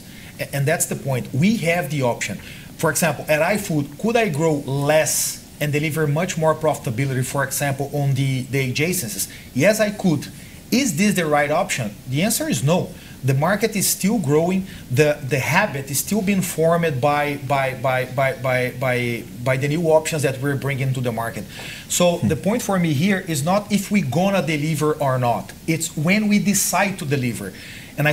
That's the point. We have the option. For example, at iFood, could I grow less and deliver much more profitability, for example, on the adjacencies? Yes, I could. Is this the right option? The answer is no. The market is still growing. The habit is still being formed by the new options that we're bringing to the market. The point for me here is not if we're going to deliver or not. It's when we decide to deliver.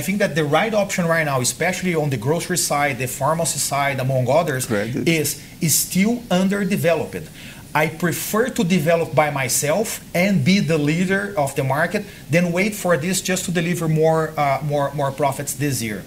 I think that the right option right now, especially on the grocery side, the pharmacy side, among others. Correct is still underdeveloped. I prefer to develop by myself and be the leader of the market than wait for this just to deliver more profits this year.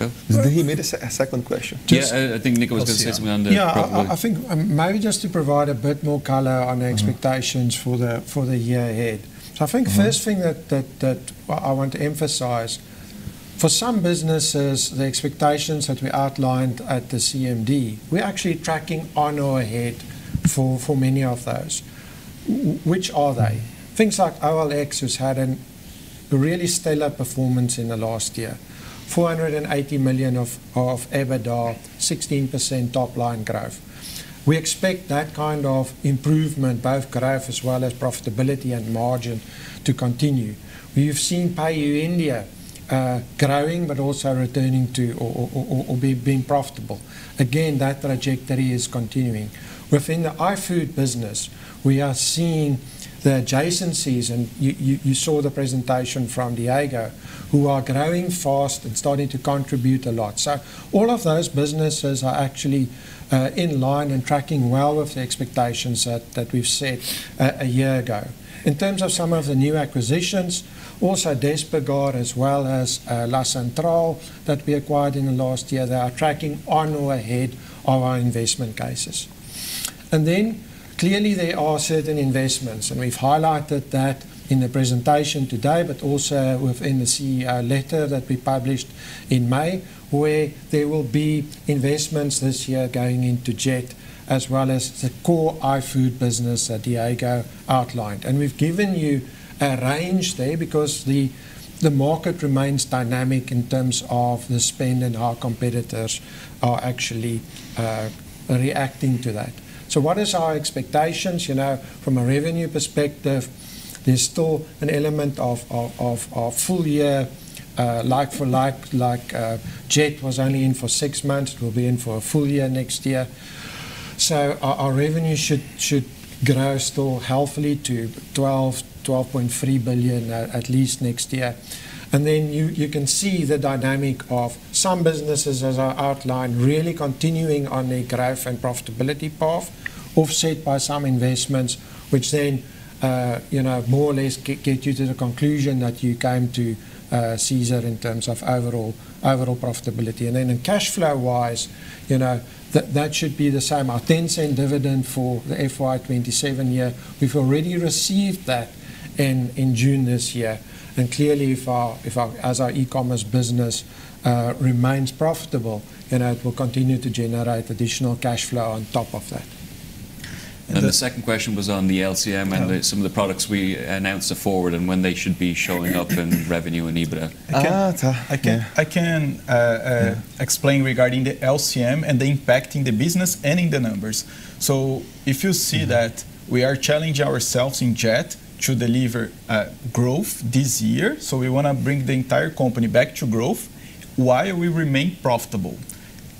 Well, did he make a second question? Yeah, I think Nico was going to say something on the profitability. Yeah, I think maybe just to provide a bit more color on the expectations for the year ahead. I think first thing that I want to emphasize, for some businesses, the expectations that we outlined at the CMD, we are actually tracking on or ahead for many of those. Which are they? Things like OLX has had a really stellar performance in the last year. $480 million of EBITDA, 16% top line growth. We expect that kind of improvement, both growth as well as profitability and margin, to continue. We have seen PayU India growing, but also returning to, or being profitable. Again, that trajectory is continuing. Within the iFood business, we are seeing the adjacencies, and you saw the presentation from Diego, who are growing fast and starting to contribute a lot. All of those businesses are actually in line and tracking well with the expectations that we've set a year ago. In terms of some of the new acquisitions, Despegar as well as La Centrale that we acquired in the last year, they are tracking on or ahead of our investment cases. Clearly there are certain investments, and we've highlighted that in the presentation today, but also within the CEO letter that we published in May, where there will be investments this year going into JET as well as the core iFood business that Diego outlined. We've given you a range there because the market remains dynamic in terms of the spend and how competitors are actually reacting to that. What are our expectations? From a revenue perspective, there's still an element of our full year like for like. JET was only in for six months. It will be in for a full year next year. Our revenue should grow still healthily to $12 billion-$12.3 billion at least next year. You can see the dynamic of some businesses, as I outlined, really continuing on their growth and profitability path, offset by some investments, which then more or less get you to the conclusion that you came to, Cesar, in terms of overall profitability. In cash flow wise, that should be the same. Our $0.10 dividend for the FY 2027 year, we've already received that in June this year. Clearly, as our e-commerce business remains profitable, then it will continue to generate additional cash flow on top of that. The second question was on the LCM and some of the products we announced at Prosus Forward and when they should be showing up in revenue and EBITDA. I can explain regarding the LCM and the impact in the business and in the numbers. If you see that we are challenging ourselves in JET to deliver growth this year, we want to bring the entire company back to growth while we remain profitable.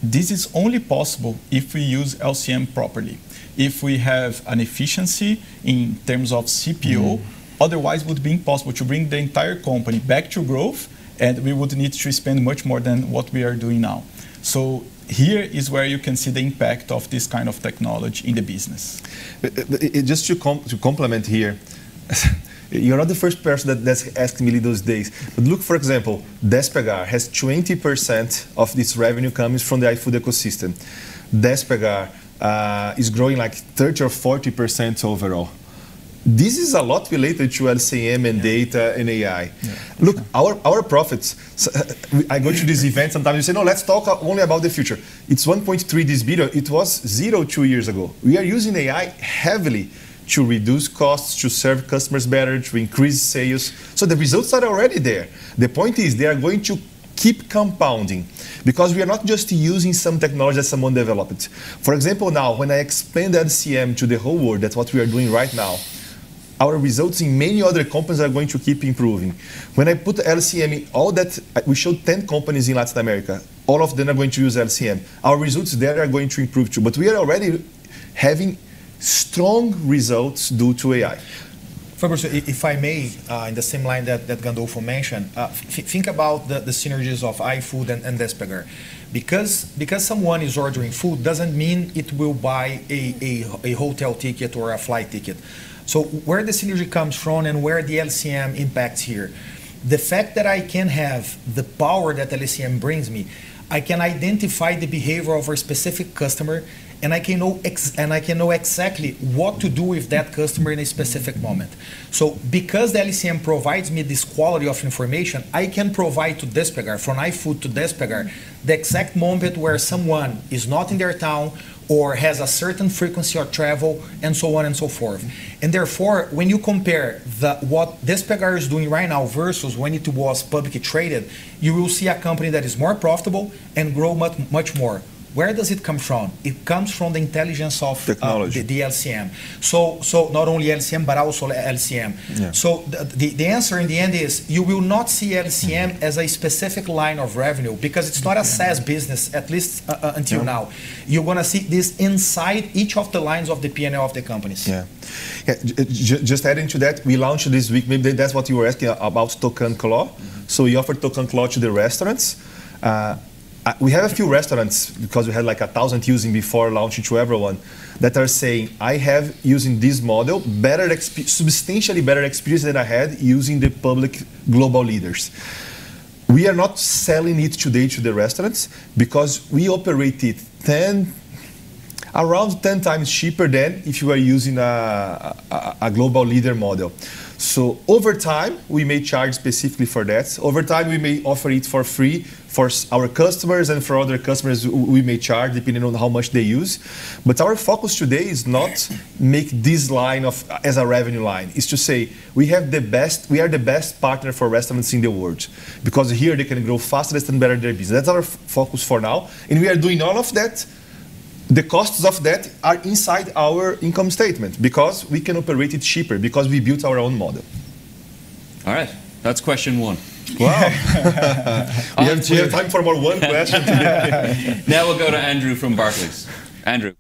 This is only possible if we use LCM properly, if we have an efficiency in terms of CPO. Otherwise, it would be impossible to bring the entire company back to growth, and we would need to spend much more than what we are doing now. Here is where you can see the impact of this kind of technology in the business. Just to complement here, you're not the first person that's asked me those days. Look, for example, Despegar has 20% of this revenue comes from the iFood ecosystem. Despegar is growing like 30% or 40% overall. This is a lot related to LCM and data and AI. Look, our profits, I go to this event sometimes and say, "No, let's talk only about the future." It's 1.3 this year. It was zero two years ago. We are using AI heavily to reduce costs, to serve customers better, to increase sales. The results are already there. The point is they are going to keep compounding because we are not just using some technology that someone developed. For example, now, when I expand LCM to the whole world, that's what we are doing right now. Our results in many other companies are going to keep improving. When I put LCM in all that, we showed 10 companies in Latin America. All of them are going to use LCM. Our results there are going to improve, too. We are already having strong results due to AI. Fabricio, if I may, in the same line that Gandolfo mentioned, think about the synergies of iFood and Despegar. Because someone is ordering food doesn't mean it will buy a hotel ticket or a flight ticket. Where the synergy comes from and where the LCM impacts here, the fact that I can have the power that the LCM brings me, I can identify the behavior of a specific customer, and I can know exactly what to do with that customer in a specific moment. Because the LCM provides me this quality of information, I can provide to Despegar, from iFood to Despegar, the exact moment where someone is not in their town or has a certain frequency of travel, and so on and so forth. Therefore, when you compare what Despegar is doing right now versus when it was publicly traded, you will see a company that is more profitable and grow much more. Where does it come from? It comes from the intelligence of- Technology the LCM. Not only LCM, but also LCM. Yeah. The answer in the end is you will not see LCM as a specific line of revenue because it is not a SaaS business, at least until now. You are going to see this inside each of the lines of the P&L of the companies. Just adding to that, we launched this week, maybe that is what you were asking about ToqanClaw. We offered ToqanClaw to the restaurants. We have a few restaurants because we had 1,000 using before launching to everyone that are saying, "I have, using this model, substantially better experience than I had using the public global leaders." We are not selling it today to the restaurants because we operate it around 10 times cheaper than if you are using a global leader model. Over time, we may charge specifically for that. Over time, we may offer it for free for our customers and for other customers, we may charge depending on how much they use. Our focus today is not make this line as a revenue line. It is to say, we are the best partner for restaurants in the world because here they can grow fastest and better their business. That is our focus for now. We are doing all of that. The costs of that are inside our income statement because we can operate it cheaper because we built our own model. All right. That is question one. Wow. We have time for more one question today. We'll go to Andrew from Barclays. Andrew.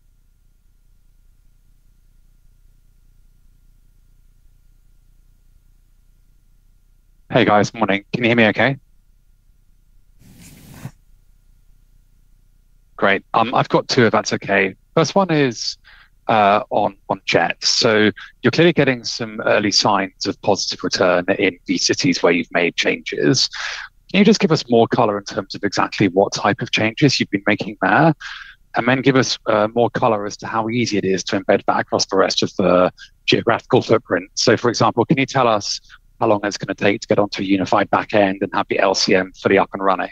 Hey, guys. Morning. Can you hear me okay? Great. I've got two, if that's okay. First one is on JET. You're clearly getting some early signs of positive return in the cities where you've made changes. Can you just give us more color in terms of exactly what type of changes you've been making there? Then give us more color as to how easy it is to embed that across the rest of the geographical footprint. For example, can you tell us how long that's going to take to get onto a unified back end and have the LCM fully up and running?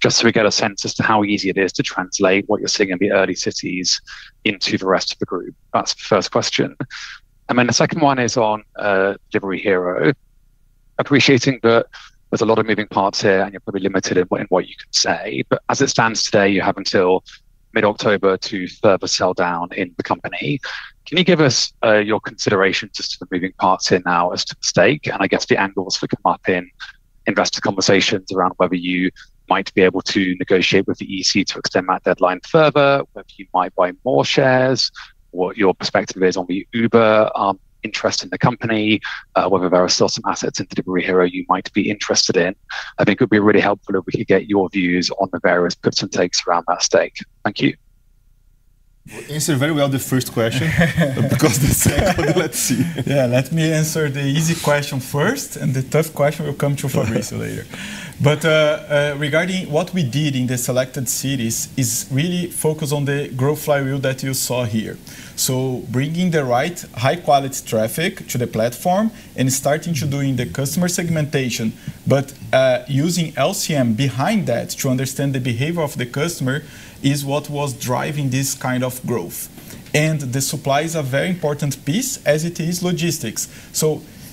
Just so we get a sense as to how easy it is to translate what you're seeing in the early cities into the rest of the group. That's the first question. The second one is on Delivery Hero. Appreciating that there's a lot of moving parts here, and you're probably limited in what you can say. As it stands today, you have until mid-October to further sell down in the company. Can you give us your consideration as to the moving parts here now as to the stake? I guess the angles that come up in investor conversations around whether you might be able to negotiate with the EC to extend that deadline further, whether you might buy more shares, what your perspective is on the Uber interest in the company, whether there are still some assets into Delivery Hero you might be interested in. I think it would be really helpful if we could get your views on the various gives and takes around that stake. Thank you. You answered very well the first question because the second, let's see. Yeah, let me answer the easy question first, the tough question will come to Fabricio later. Regarding what we did in the selected cities is really focus on the growth flywheel that you saw here. Bringing the right high-quality traffic to the platform and starting to doing the customer segmentation, but using LCM behind that to understand the behavior of the customer is what was driving this kind of growth. The supply is a very important piece as it is logistics.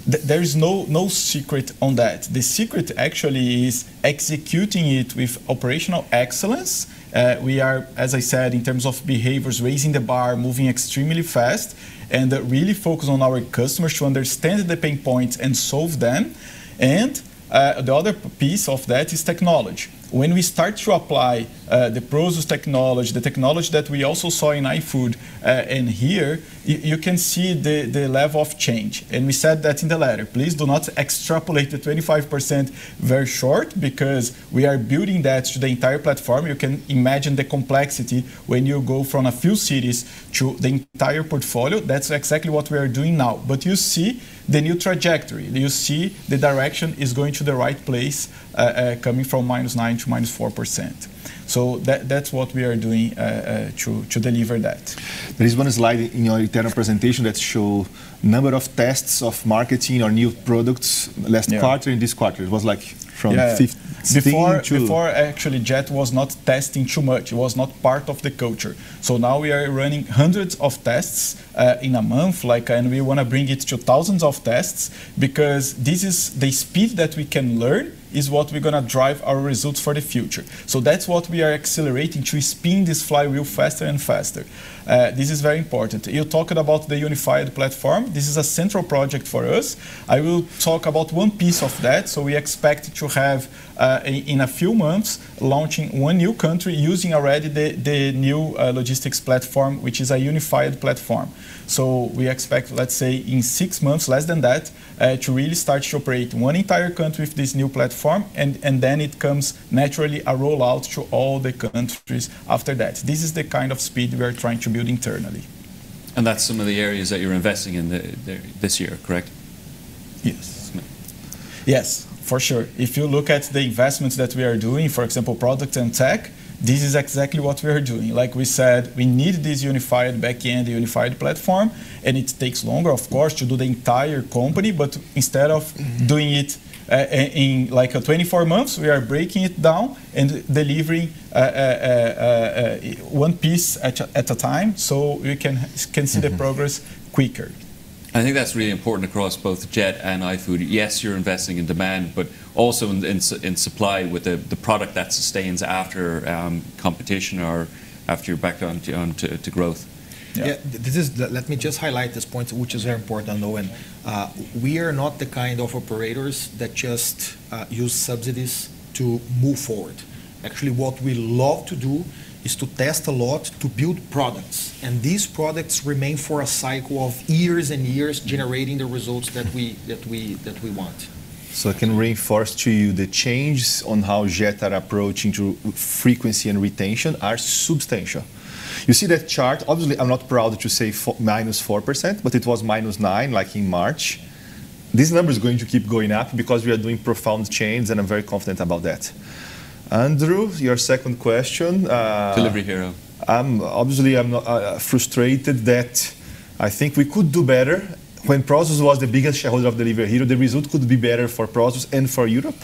There is no secret on that. The secret actually is executing it with operational excellence. We are, as I said, in terms of behaviors, raising the bar, moving extremely fast, and really focus on our customers to understand the pain points and solve them. The other piece of that is technology. When we start to apply the Prosus technology, the technology that we also saw in iFood, here you can see the level of change. We said that in the letter. Please do not extrapolate the 25% very short because we are building that to the entire platform. You can imagine the complexity when you go from a few cities to the entire portfolio. That's exactly what we are doing now. You see the new trajectory. You see the direction is going to the right place coming from -9% to -4%. That's what we are doing to deliver that. There is one slide in your internal presentation that show number of tests of marketing or new products last quarter. In this quarter, it was like from 15 to Before, actually, JET was not testing too much. It was not part of the culture. Now we are running hundreds of tests in a month, and we want to bring it to thousands of tests because this is the speed that we can learn is what we're going to drive our results for the future. That's what we are accelerating to spin this flywheel faster and faster. This is very important. You're talking about the unified platform. This is a central project for us. I will talk about one piece of that. We expect to have in a few months launching one new country using already the new logistics platform, which is a unified platform. We expect, let's say, in six months, less than that to really start to operate one entire country with this new platform, then it comes naturally a rollout to all the countries after that. This is the kind of speed we are trying to build internally. That's some of the areas that you're investing in this year, correct? Yes. Yes, for sure. If you look at the investments that we are doing, for example, product and tech, this is exactly what we are doing. Like we said, we need this unified back-end, unified platform, it takes longer, of course, to do the entire company. Instead of doing it in 24 months, we are breaking it down and delivering one piece at a time so we can see the progress quicker. I think that's really important across both JET and iFood. You're investing in demand, but also in supply with the product that sustains after competition or after you're back onto growth. Yeah. Let me just highlight this point, which is very important, though. We are not the kind of operators that just use subsidies to move forward. What we love to do is to test a lot to build products, and these products remain for a cycle of years and years generating the results that we want. I can reinforce to you the changes on how JET are approaching through frequency and retention are substantial. You see that chart, obviously, I'm not proud to say -4%, but it was -9% in March. This number is going to keep going up because we are doing profound change, and I'm very confident about that. Andrew, your second question. Delivery Hero. Obviously, I'm frustrated that I think we could do better when Prosus was the biggest shareholder of Delivery Hero. The result could be better for Prosus and for Europe,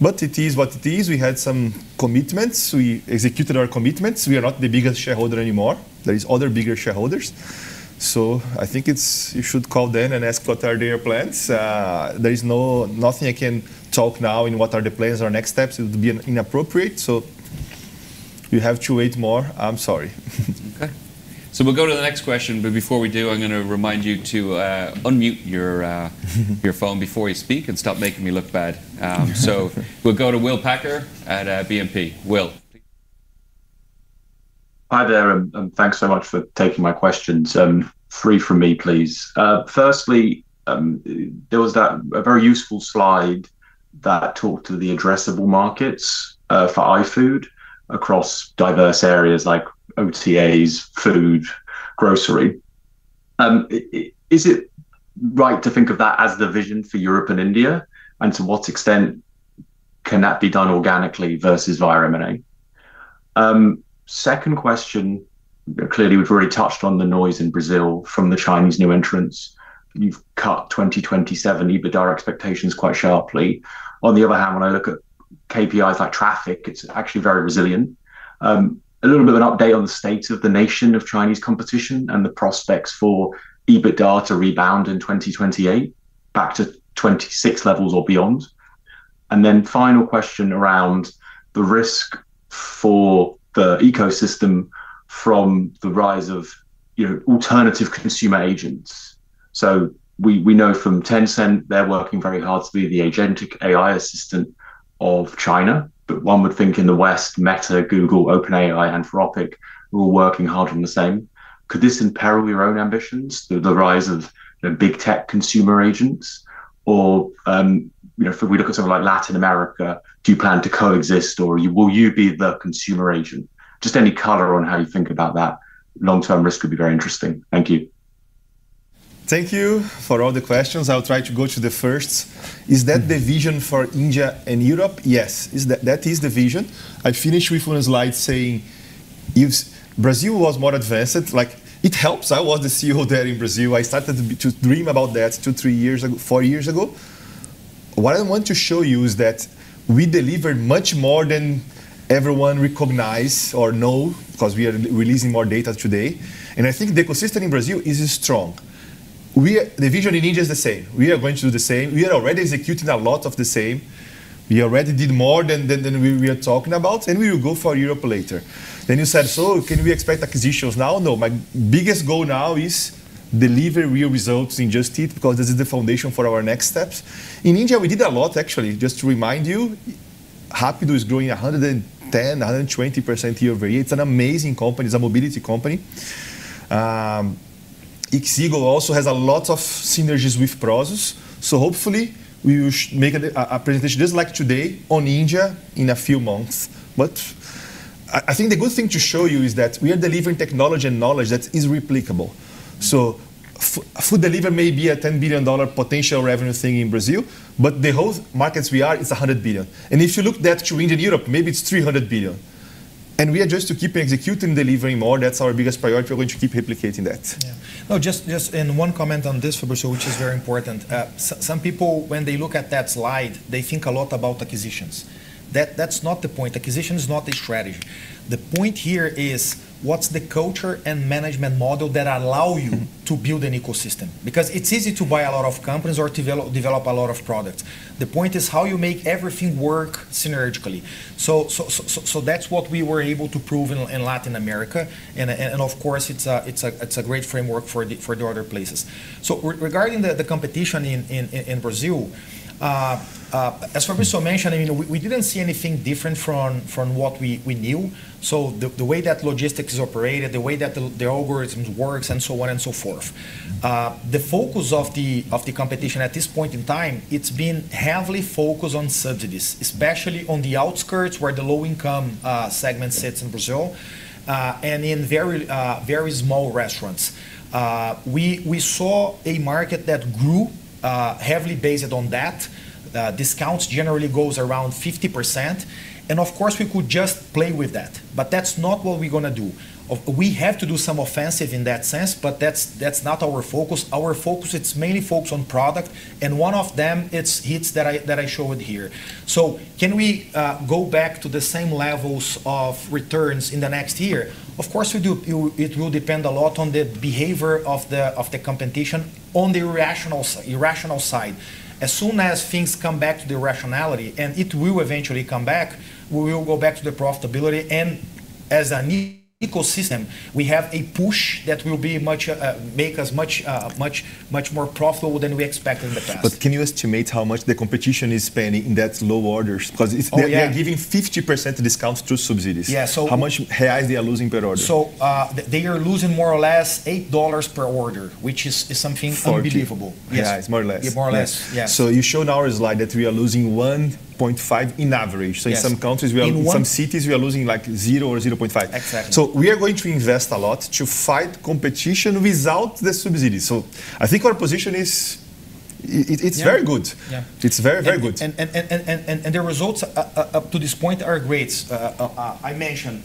but it is what it is. We had some commitments. We executed our commitments. We are not the biggest shareholder anymore. There are other bigger shareholders. I think you should call them and ask what are their plans. There is nothing I can talk now in what are the plans or next steps. It would be inappropriate. You have to wait more. I'm sorry. Okay. We'll go to the next question, but before we do, I'm going to remind you to unmute your phone before you speak and stop making me look bad. We'll go to Will Packer at BNP. Will. Hi there, thanks so much for taking my questions. Three from me, please. Firstly, there was that very useful slide that talked to the addressable markets for iFood across diverse areas like OTAs, food, grocery. Is it right to think of that as the vision for Europe and India? To what extent can that be done organically versus via M&A? Second question, clearly, we've already touched on the noise in Brazil from the Chinese new entrants. You've cut 2027 EBITDA expectations quite sharply. On the other hand, when I look at KPIs like traffic, it's actually very resilient. A little bit of an update on the state of the nation of Chinese competition and the prospects for EBITDA to rebound in 2028 back to 2026 levels or beyond. Final question around the risk for the ecosystem from the rise of alternative consumer agents. We know from Tencent, they're working very hard to be the agentic AI assistant of China. One would think in the West, Meta, Google, OpenAI, Anthropic, are all working hard on the same. Could this imperil your own ambitions, the rise of the big tech consumer agents? If we look at somewhere like Latin America, do you plan to coexist, or will you be the consumer agent? Just any color on how you think about that long-term risk would be very interesting. Thank you. Thank you for all the questions. I'll try to go to the first. Is that the vision for India and Europe? Yes. That is the vision. I finished with one slide saying if Brazil was more advanced, it helps. I was the CEO there in Brazil. I started to dream about that two, three years ago, four years ago. What I want to show you is that we delivered much more than everyone recognized or know because we are releasing more data today. I think the ecosystem in Brazil is strong. The vision in India is the same. We are going to do the same. We are already executing a lot of the same. We already did more than we are talking about, and we will go for Europe later. You said, "Can we expect acquisitions now?" No. My biggest goal now is deliver real results in Just Eat because this is the foundation for our next steps. In India, we did a lot, actually. Just to remind you, Rapido is growing 110%, 120% year-over-year. It's an amazing company. It's a mobility company. ixigo also has a lot of synergies with Prosus, hopefully we should make a presentation just like today on India in a few months. I think the good thing to show you is that we are delivering technology and knowledge that is replicable. Food Delivery may be a $10 billion potential revenue thing in Brazil, the whole markets we are is $100 billion. If you look that to India and Europe, maybe it's $300 billion. We are just to keep executing, delivering more. That's our biggest priority. We're going to keep replicating that. Yeah. No, just one comment on this, Fabricio, which is very important. Some people, when they look at that slide, they think a lot about acquisitions. That's not the point. Acquisition is not a strategy. The point here is what's the culture and management model that allow you to build an ecosystem? Because it's easy to buy a lot of companies or develop a lot of products. The point is how you make everything work synergistically. That's what we were able to prove in Latin America, and of course, it's a great framework for the other places. Regarding the competition in Brazil, as Fabricio mentioned, we didn't see anything different from what we knew. The way that logistics is operated, the way that the algorithms work, and so on and so forth. The focus of the competition at this point in time, it's been heavily focused on subsidies, especially on the outskirts where the low-income segment sits in Brazil, and in very small restaurants. We saw a market that grew heavily based on that. Discounts generally go around 50%, of course, we could just play with that's not what we're going to do. We have to do some offensive in that sense, that's not our focus. Our focus, it's mainly focused on product, one of them, it's Hits that I showed here. Can we go back to the same levels of returns in the next year? Of course, we do. It will depend a lot on the behavior of the competition on the irrational side. As soon as things come back to the rationality, and it will eventually come back, we will go back to the profitability. As an ecosystem, we have a push that will make us much more profitable than we expected in the past. Can you estimate how much the competition is spending in that low orders? Oh, yeah they're giving 50% discounts through subsidies. Yeah. How much reais they are losing per order? They are losing more or less $8 per order, which is something unbelievable. 40. Yes. Yeah, it's more or less. Yeah, more or less. Yeah. You showed in our slide that we are losing 1.5 in average. Yes. In some cities, we are losing zero or 0.5. Exactly. We are going to invest a lot to fight competition without the subsidies. I think our position is very good. Yeah. It's very good. The results up to this point are great. I mentioned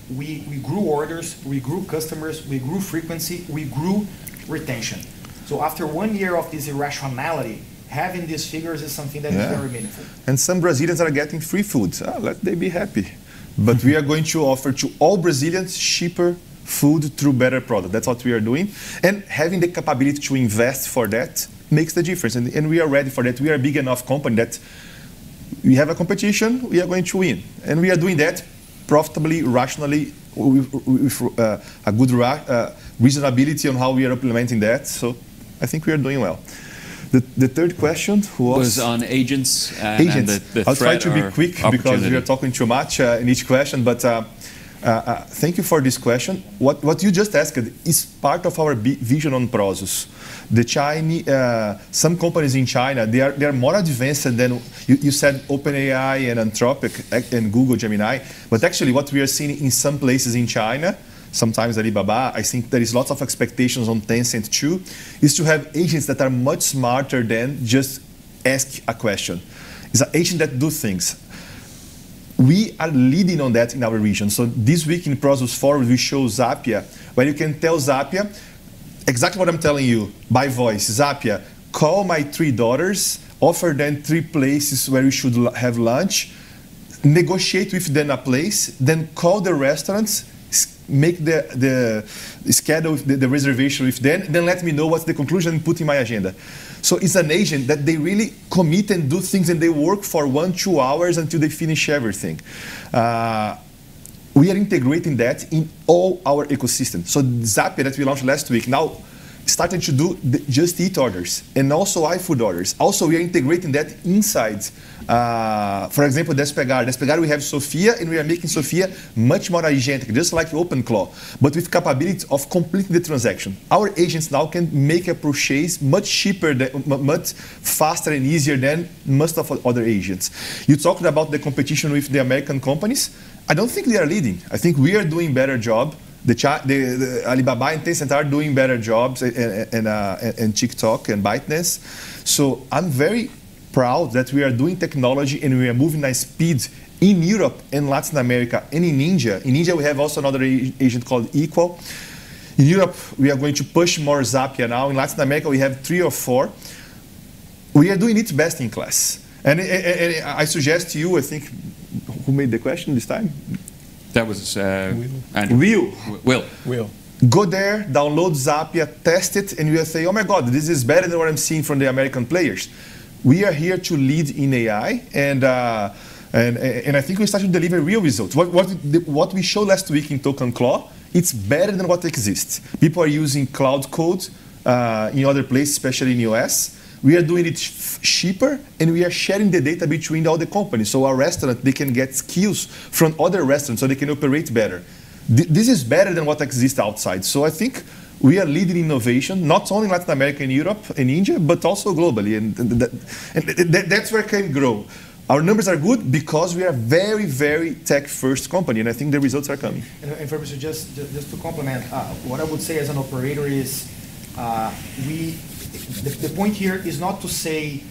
we grew orders, we grew customers, we grew frequency, we grew retention. After one year of this irrationality, having these figures is something that is very meaningful. Yeah. Some Brazilians are getting free food. Let they be happy. We are going to offer to all Brazilians cheaper food through better product. That's what we are doing. Having the capability to invest for that makes the difference. We are ready for that. We are a big enough company that we have a competition, we are going to win. We are doing that profitably, rationally, with a good reasonability on how we are implementing that. I think we are doing well. The third question, who was? Was on agents and the threat or opportunity. Agents. I'll try to be quick because we are talking too much in each question, but thank you for this question. What you just asked is part of our big vision on Prosus. Some companies in China, they are more advanced than, you said OpenAI and Anthropic, and Google Gemini, but actually what we are seeing in some places in China, sometimes Alibaba, I think there is lots of expectations on Tencent too, is to have agents that are much smarter than just ask a question. It's an agent that do things. We are leading on that in our region. This week in Prosus Forward we show Zapia, where you can tell Zapia exactly what I'm telling you by voice, "Zapia, call my three daughters, offer them three places where we should have lunch, negotiate with them a place, then call the restaurants, schedule the reservation with them, then let me know what's the conclusion, put in my agenda." It's an agent that they really commit and do things, and they work for one, two hours until they finish everything. We are integrating that in all our ecosystems. Zapia that we launched last week, now starting to do Just Eat orders and also iFood orders. We are integrating that inside. For example, Despegar. Despegar we have Sophia, and we are making Sophia much more agentic, just like OpenClaw, but with capabilities of completing the transaction. Our agents now can make a purchase much faster and easier than most of other agents. You talked about the competition with the American companies. I don't think they are leading. I think we are doing better job. The Alibaba and Tencent are doing better jobs, and TikTok and ByteDance. I'm very proud that we are doing technology and we are moving at speed in Europe, in Latin America, and in India. In India, we have also another agent called Equal. In Europe, we are going to push more Zapia now. In Latin America, we have three or four. We are doing it best in class. I suggest to you, I think, who made the question this time? That was Andrew. Will. Will. Will. Will. Go there, download Zapia, test it, and you will say, "Oh my God, this is better than what I'm seeing from the American players." We are here to lead in AI, and I think we're starting to deliver real results. What we showed last week in ToqanClaw, it's better than what exists. People are using Claude Code in other places, especially in the U.S. We are doing it cheaper and we are sharing the data between all the components. Our restaurant, they can get skills from other restaurants, they can operate better. This is better than what exists outside. I think we are leading innovation, not only in Latin America, Europe, and India, but also globally, and that's where it can grow. Our numbers are good because we are a very tech-first company, and I think the results are coming. Fabricio, just to complement, what I would say as an operator is the point here is not to say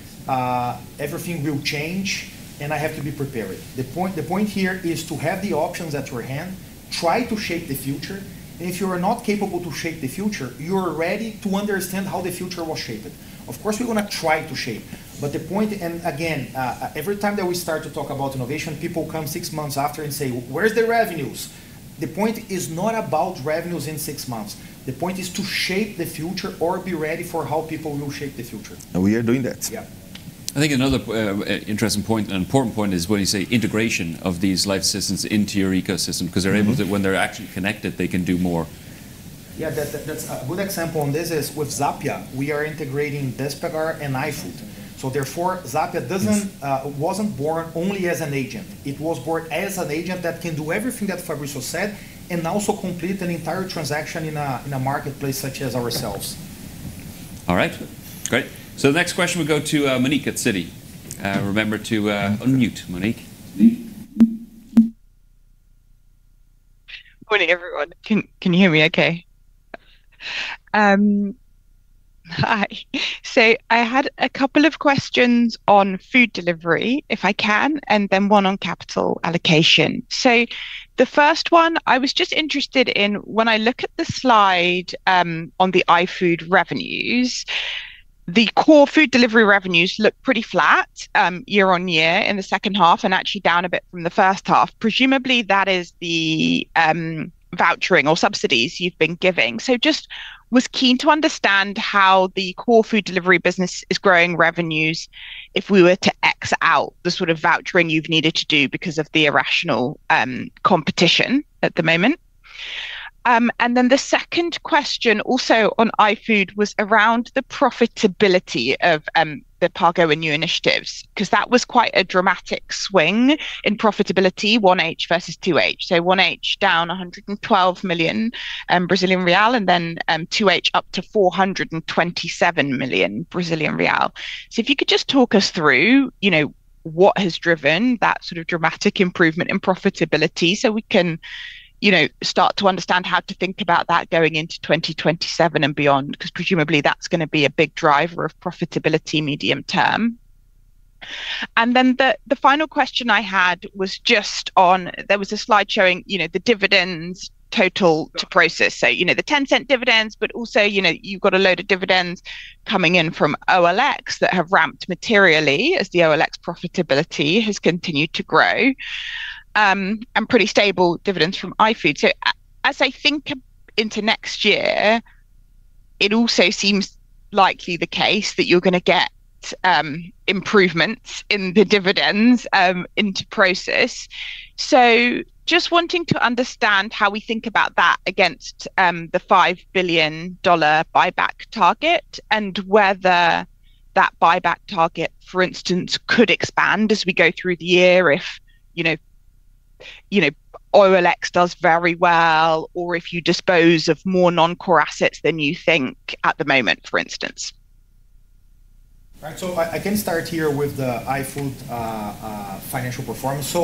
everything will change, and I have to be prepared. The point here is to have the options at your hand, try to shape the future, and if you are not capable to shape the future, you're ready to understand how the future was shaped. Of course, we're going to try to shape. The point, and again, every time that we start to talk about innovation, people come six months after and say, "Where's the revenues?" The point is not about revenues in six months. The point is to shape the future or be ready for how people will shape the future. We are doing that. Yeah. I think another interesting point and important point is when you say integration of these life systems into your ecosystem, because they're able to, when they're actually connected, they can do more. Yeah. A good example on this is with Zapia, we are integrating Despegar and iFood. Therefore, Zapia wasn't born only as an agent. It was born as an agent that can do everything that Fabricio said, and also complete an entire transaction in a marketplace such as ourselves. All right. Great. The next question will go to Monique at Citi. Remember to unmute, Monique. Morning, everyone. Can you hear me okay? Hi. I had a couple of questions on food delivery, if I can, and then one on capital allocation. The first one I was just interested in, when I look at the slide on the iFood revenues, the core food delivery revenues look pretty flat year-on-year in the second half and actually down a bit from the first half. Presumably, that is the vouchering or subsidies you've been giving. Just was keen to understand how the core food delivery business is growing revenues if we were to x out the sort of vouchering you've needed to do because of the irrational competition at the moment. The second question, also on iFood, was around the profitability of the Pago and new initiatives, because that was quite a dramatic swing in profitability, 1H versus 2H. 1H down 112 million Brazilian real, 2H up to 427 million Brazilian real. If you could just talk us through what has driven that sort of dramatic improvement in profitability we can start to understand how to think about that going into 2027 and beyond, because presumably that's going to be a big driver of profitability medium term. The final question I had was just on, there was a slide showing the dividends total to Prosus. The Tencent dividends but also you've got a load of dividends coming in from OLX that have ramped materially as the OLX profitability has continued to grow, and pretty stable dividends from iFood. As I think into next year, it also seems likely the case that you're going to get improvements in the dividends into Prosus. just wanting to understand how we think about that against the $5 billion buyback target and whether that buyback target, for instance, could expand as we go through the year if OLX does very well or if you dispose of more non-core assets than you think at the moment, for instance. I can start here with the iFood financial performance.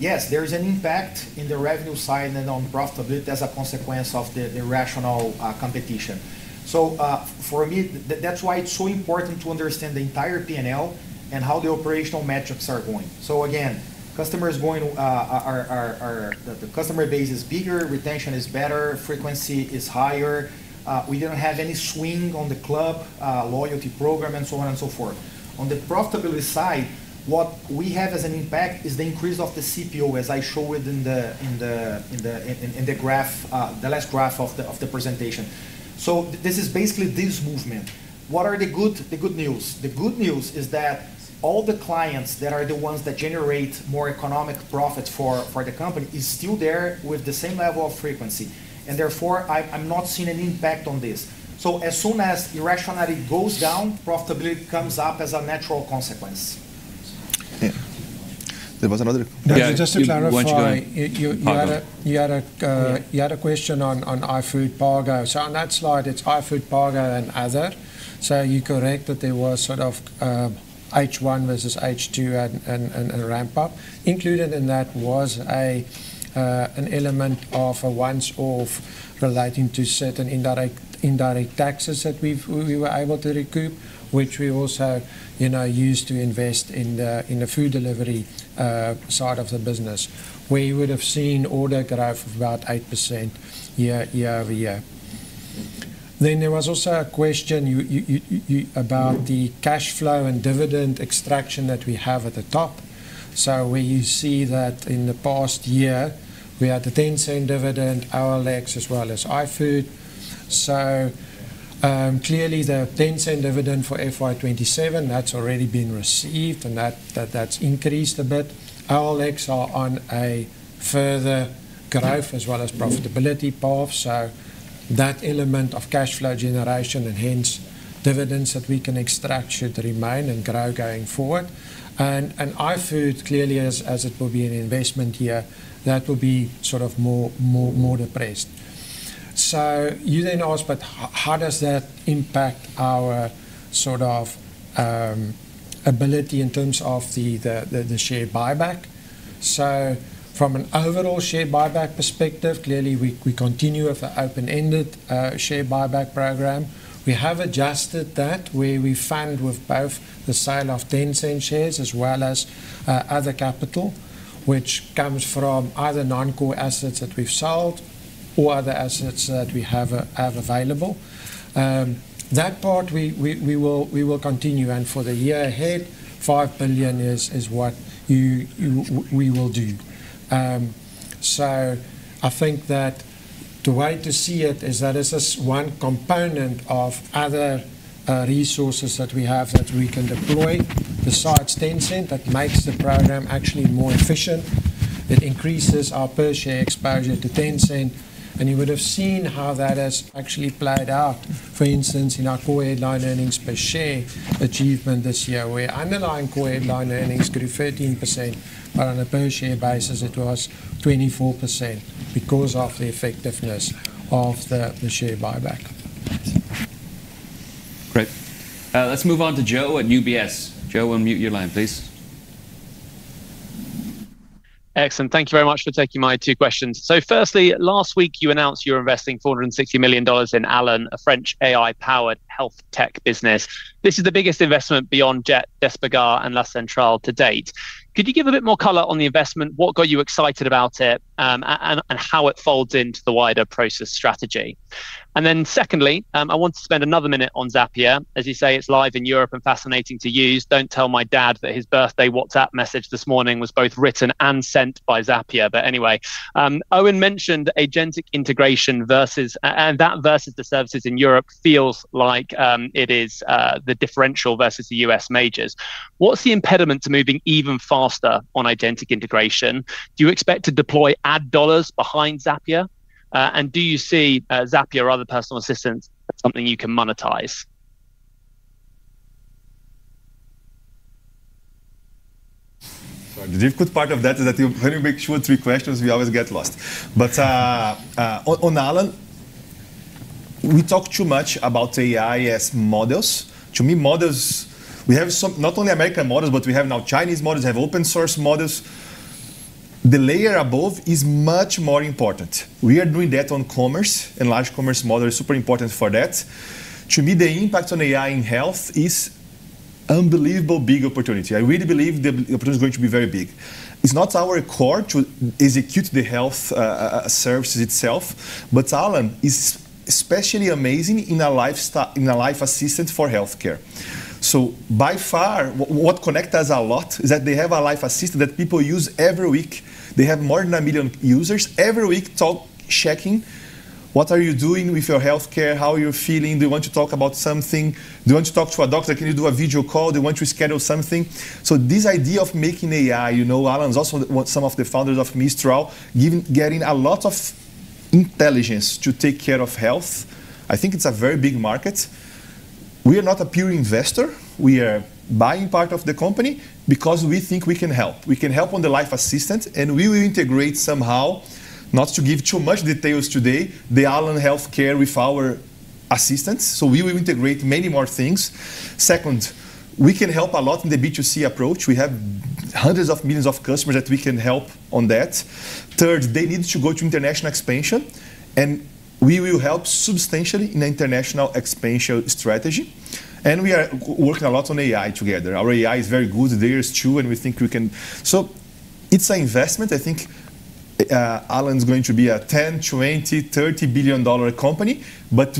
Yes, there is an impact in the revenue side and on profitability as a consequence of the irrational competition. For me, that's why it's so important to understand the entire P&L and how the operational metrics are going. Again, the customer base is bigger, retention is better, frequency is higher. We don't have any swing on the club loyalty program, and so on and so forth. On the profitability side, what we have as an impact is the increase of the CPO, as I showed in the last graph of the presentation. This is basically this movement. What are the good news? The good news is that all the clients that are the ones that generate more economic profits for the company are still there with the same level of frequency, and therefore, I'm not seeing an impact on this. As soon as irrationality goes down, profitability comes up as a natural consequence. Yeah. Just to clarify. You want to go. You had a question on iFood Pago. On that slide, it's iFood, Pago, and other. You're correct that there was sort of H1 versus H2 and a ramp-up. Included in that was an element of a once off relating to certain indirect taxes that we were able to recoup, which we also used to invest in the food delivery side of the business, where you would've seen order growth of about 8% year-over-year. There was also a question about the cash flow and dividend extraction that we have at the top. Where you see that in the past year, we had a Tencent dividend, OLX as well as iFood. Clearly the Tencent dividend for FY 2027, that's already been received and that's increased a bit. OLX are on a further growth as well as profitability path. That element of cash flow generation and hence dividends that we can extract should remain and grow going forward. iFood clearly as it will be an investment here, that will be sort of more depressed. You then asked, how does that impact our sort of ability in terms of the share buyback? From an overall share buyback perspective, clearly we continue with the open-ended share buyback program. We have adjusted that, where we fund with both the sale of Tencent shares as well as other capital, which comes from either non-core assets that we've sold or other assets that we have available. That part we will continue, and for the year ahead, $5 billion is what we will do. I think that the way to see it is that it's just one component of other resources that we have that we can deploy besides Tencent that makes the program actually more efficient, that increases our per share exposure to Tencent. You would've seen how that has actually played out, for instance, in our core headline earnings per share achievement this year, where underlying core headline earnings grew 13%, but on a per share basis, it was 24% because of the effectiveness of the share buyback. Great. Let's move on to Joe at UBS. Joe, unmute your line, please. Excellent. Thank you very much for taking my two questions. Firstly, last week you announced you're investing $460 million in Alan, a French AI-powered health tech business. This is the biggest investment beyond JET, Despegar, and La Centrale to date. Could you give a bit more color on the investment, what got you excited about it, and how it folds into the wider Prosus strategy? Secondly, I want to spend another minute on Zapia. As you say, it's live in Europe and fascinating to use. Don't tell my dad that his birthday WhatsApp message this morning was both written and sent by Zapia. Anyway, Eoin mentioned agentic integration, and that versus the services in Europe feels like it is the differential versus the U.S. majors. What's the impediment to moving even faster on agentic integration? Do you expect to deploy ad dollars behind Zapia? Do you see Zapia or other personal assistants as something you can monetize? Sorry. The difficult part of that is that when you make short three questions, we always get lost. On Alan, we talk too much about AI as models. To me, models, we have not only American models, but we have now Chinese models, we have open source models. The layer above is much more important. We are doing that on commerce, and Large Commerce Model is super important for that. To me, the impact on AI in health is unbelievable big opportunity. I really believe the opportunity is going to be very big. It's not our core to execute the health services itself, but Alan is especially amazing in a life assistant for healthcare. By far, what connect us a lot is that they have a life assistant that people use every week. They have more than 1 million users every week talk, checking, what are you doing with your healthcare? How you're feeling? Do you want to talk about something? Do you want to talk to a doctor? Can you do a video call? Do you want to schedule something? This idea of making AI, Alan's also some of the founders of Mistral, getting a lot of intelligence to take care of health. I think it's a very big market. We are not a pure investor. We are buying part of the company because we think we can help. We can help on the life assistance, and we will integrate somehow, not to give too much details today, the Alan healthcare with our assistance. We will integrate many more things. Second, we can help a lot in the B2C approach. We have hundreds of millions of customers that we can help on that. Third, they need to go to international expansion. We will help substantially in the international expansion strategy. We are working a lot on AI together. Our AI is very good. Theirs too. We think we can. It's an investment. I think, Alan's going to be a $10 billion, $20 billion, $30 billion company.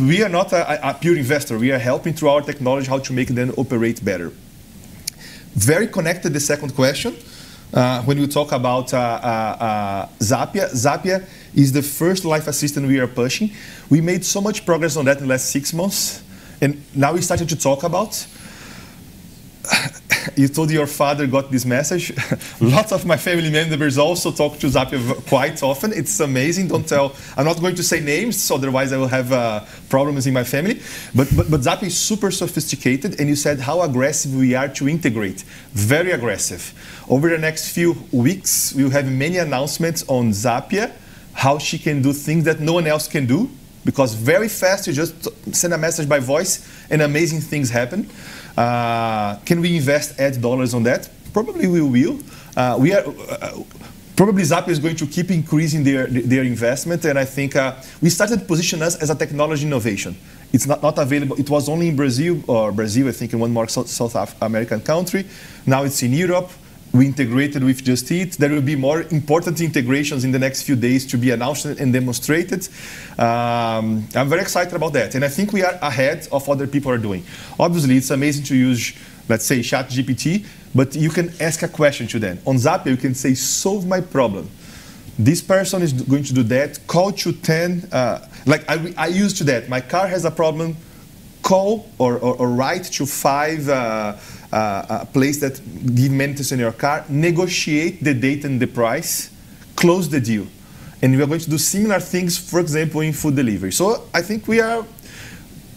We are not a pure investor. We are helping through our technology how to make them operate better. Very connected to the second question, when you talk about, Zapia. Zapia is the first life assistant we are pushing. We made so much progress on that in the last six months. Now we started to talk about You told your father got this message. Lots of my family members also talk to Zapia quite often. It's amazing. Don't tell. I'm not going to say names, otherwise I will have problems in my family. Zapia is super sophisticated. You said how aggressive we are to integrate. Very aggressive. Over the next few weeks, we will have many announcements on Zapia, how she can do things that no one else can do, because very fast, you just send a message by voice and amazing things happen. Can we invest add dollars on that? Probably, we will. Probably Zapia is going to keep increasing their investment. I think, we started positioning us as a technology innovation. It's not available. It was only in Brazil, I think, and one more South American country. Now it's in Europe. We integrated with Just Eat. There will be more important integrations in the next few days to be announced and demonstrated. I'm very excited about that, I think we are ahead of what other people are doing. Obviously, it's amazing to use, let's say, ChatGPT, but you can ask a question to them. On Zapia, you can say, "Solve my problem. This person is going to do that. Call to 10." I used that. My car has a problem. Call or write to five place that give maintenance in your car, negotiate the date and the price, close the deal. We are going to do similar things, for example, in food delivery. I think we are,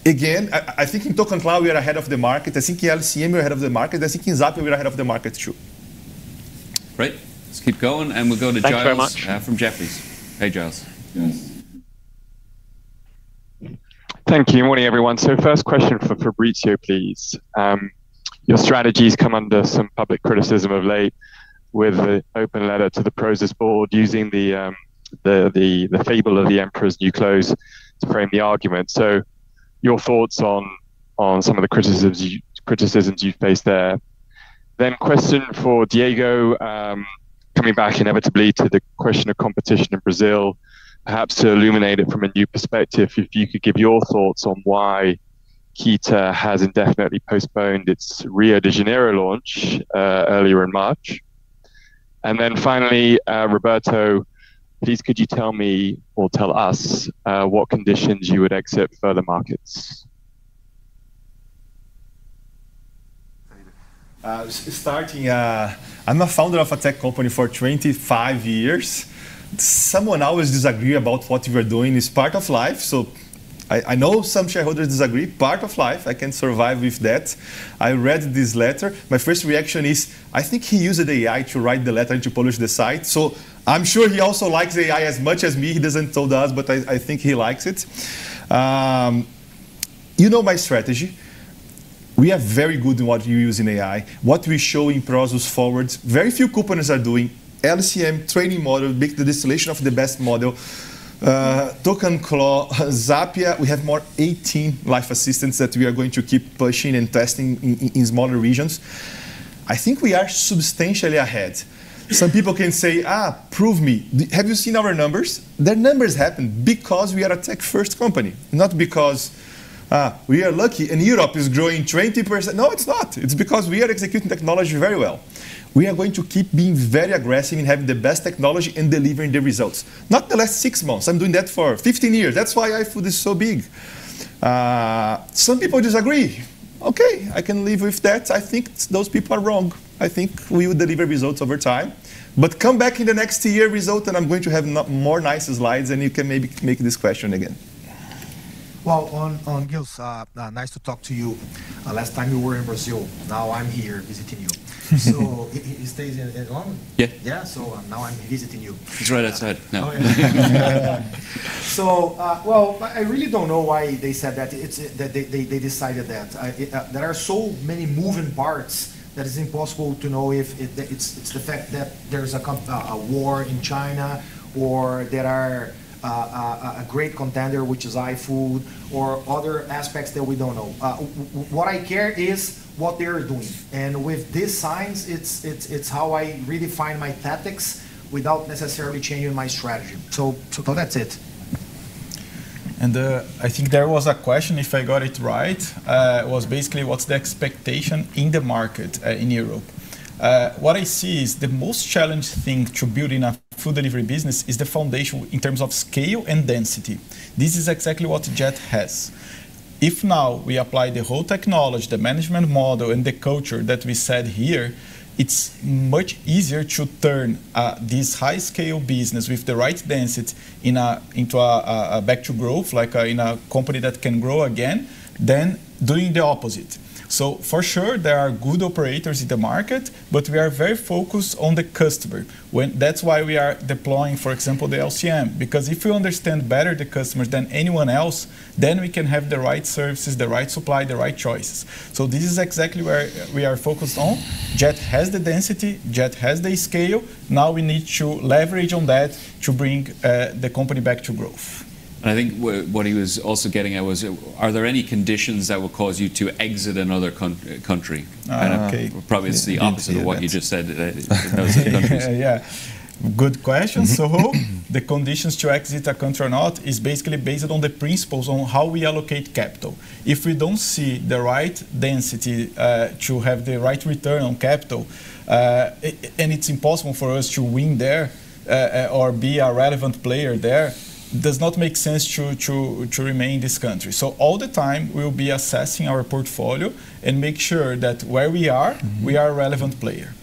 again, I think in ToqanClaw, we are ahead of the market. I think LCM, we're ahead of the market. I think in Zapia, we're ahead of the market, too. Great. Let's keep going, we'll go to Giles. Thank you very much. from Jefferies. Hey, Giles. Thank you. Morning, everyone. First question for Fabricio, please. Your strategies come under some public criticism of late with the open letter to the Prosus board using the fable of the Emperor's New Clothes to frame the argument. Your thoughts on some of the criticisms you've faced there. Question for Diego, coming back inevitably to the question of competition in Brazil, perhaps to illuminate it from a new perspective. If you could give your thoughts on why Keeta has indefinitely postponed its Rio de Janeiro launch, earlier in March. Finally, Roberto, please could you tell me or tell us, what conditions you would exit further markets? Starting, I'm a founder of a tech company for 25 years. Someone always disagree about what we are doing. It's part of life. I know some shareholders disagree. Part of life. I can survive with that. I read this letter. My first reaction is, I think he used AI to write the letter and to publish the site. I'm sure he also likes AI as much as me. He doesn't told us, but I think he likes it. You know my strategy. We are very good in what we use in AI, what we show in Prosus Forward. Very few companies are doing LCM training model, make the distillation of the best model. ToqanClaw, Zapia, we have more 18 life assistants that we are going to keep pushing and testing in smaller regions. I think we are substantially ahead. Some people can say, "Prove me." Have you seen our numbers? The numbers happen because we are a tech first company, not because we are lucky, Europe is growing 20%. No, it's not. It's because we are executing technology very well. We are going to keep being very aggressive in having the best technology and delivering the results. Not the last six months. I'm doing that for 15 years. That's why iFood is so big. Some people disagree. Okay, I can live with that. I think those people are wrong. I think we will deliver results over time. Come back in the next year result, I'm going to have more nice slides, and you can maybe make this question again. Well, on Giles, nice to talk to you. Last time you were in Brazil. Now I'm here visiting you. He stays in London? Yeah. Yeah. Now I'm visiting you. He's right outside. No. Oh, yeah. Well, I really don't know why they said that, they decided that. There are so many moving parts that it's impossible to know if it's the fact that there's a war in China or there are a great contender, which is iFood, or other aspects that we don't know. What I care is what they are doing. With these signs, it's how I redefine my tactics without necessarily changing my strategy. That's it. I think there was a question, if I got it right, was basically what's the expectation in the market in Europe? What I see is the most challenging thing to building a food delivery business is the foundation in terms of scale and density. This is exactly what JET has. If now we apply the whole technology, the management model, and the culture that we said here, it's much easier to turn this high-scale business with the right density back to growth, like in a company that can grow again, than doing the opposite. For sure, there are good operators in the market, but we are very focused on the customer. That's why we are deploying, for example, the LCM, because if you understand better the customers than anyone else, then we can have the right services, the right supply, the right choices. This is exactly where we are focused on. JET has the density, JET has the scale. Now we need to leverage on that to bring the company back to growth. I think what he was also getting at was, are there any conditions that will cause you to exit another country? Okay. Probably it's the opposite of what you just said. Those countries. Yeah. Good question. The conditions to exit a country or not is basically based on the principles on how we allocate capital. If we don't see the right density to have the right return on capital, and it's impossible for us to win there or be a relevant player there, does not make sense to remain in this country. All the time, we'll be assessing our portfolio and make sure that where we are, we are a relevant player.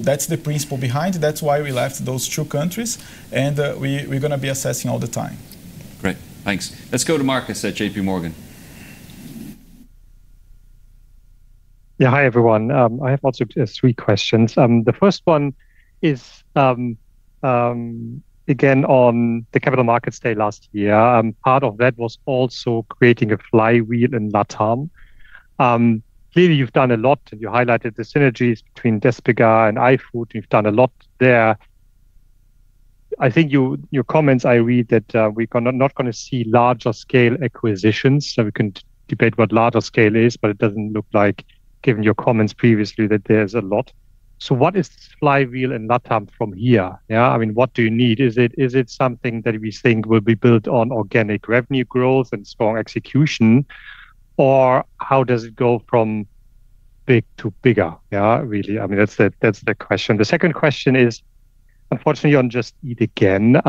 That's the principle behind. That's why we left those two countries, and we're going to be assessing all the time. Great. Thanks. Let's go to Marcus at J.P. Morgan. Hi, everyone. I have also three questions. The first one is, again, on the Capital Markets Day last year. Part of that was also creating a flywheel in LATAM. Clearly, you've done a lot and you highlighted the synergies between Despegar and iFood. You've done a lot there. I think your comments, I read that we're not going to see larger scale acquisitions. We can debate what larger scale is, but it doesn't look like, given your comments previously, that there's a lot. What is flywheel in LATAM from here? What do you need? Is it something that we think will be built on organic revenue growth and strong execution, or how does it go from big to bigger? Really. That's the question. The second question is, unfortunately on Just Eat again.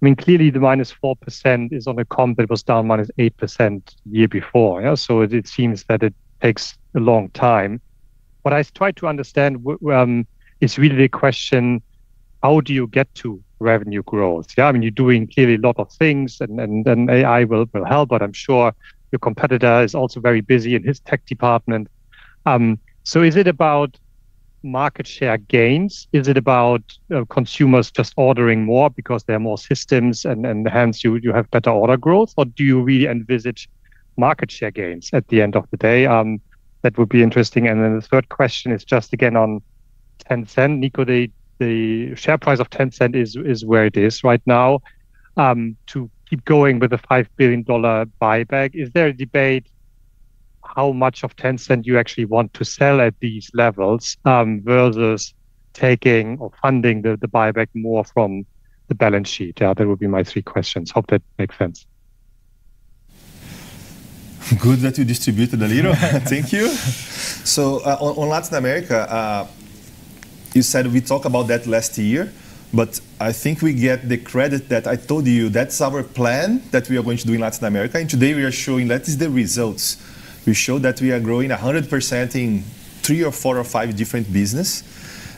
Clearly the -4% is on a comp that was down -8% the year before. It seems that it takes a long time. What I try to understand is really the question, how do you get to revenue growth? You're doing clearly a lot of things, and AI will help, but I'm sure your competitor is also very busy in his tech department. Is it about market share gains? Is it about consumers just ordering more because there are more systems and hence you have better order growth, or do you really envisage market share gains at the end of the day? That would be interesting. The third question is just again on Tencent. Nico, the share price of Tencent is where it is right now. To keep going with a $5 billion buyback, is there a debate how much of Tencent you actually want to sell at these levels versus taking or funding the buyback more from the balance sheet? That would be my three questions. Hope that makes sense. Good that you distributed a little. Thank you. On Latin America, you said we talk about that last year, but I think we get the credit that I told you. That's our plan that we are going to do in Latin America, and today we are showing that is the results. We showed that we are growing 100% in three or four or five different business.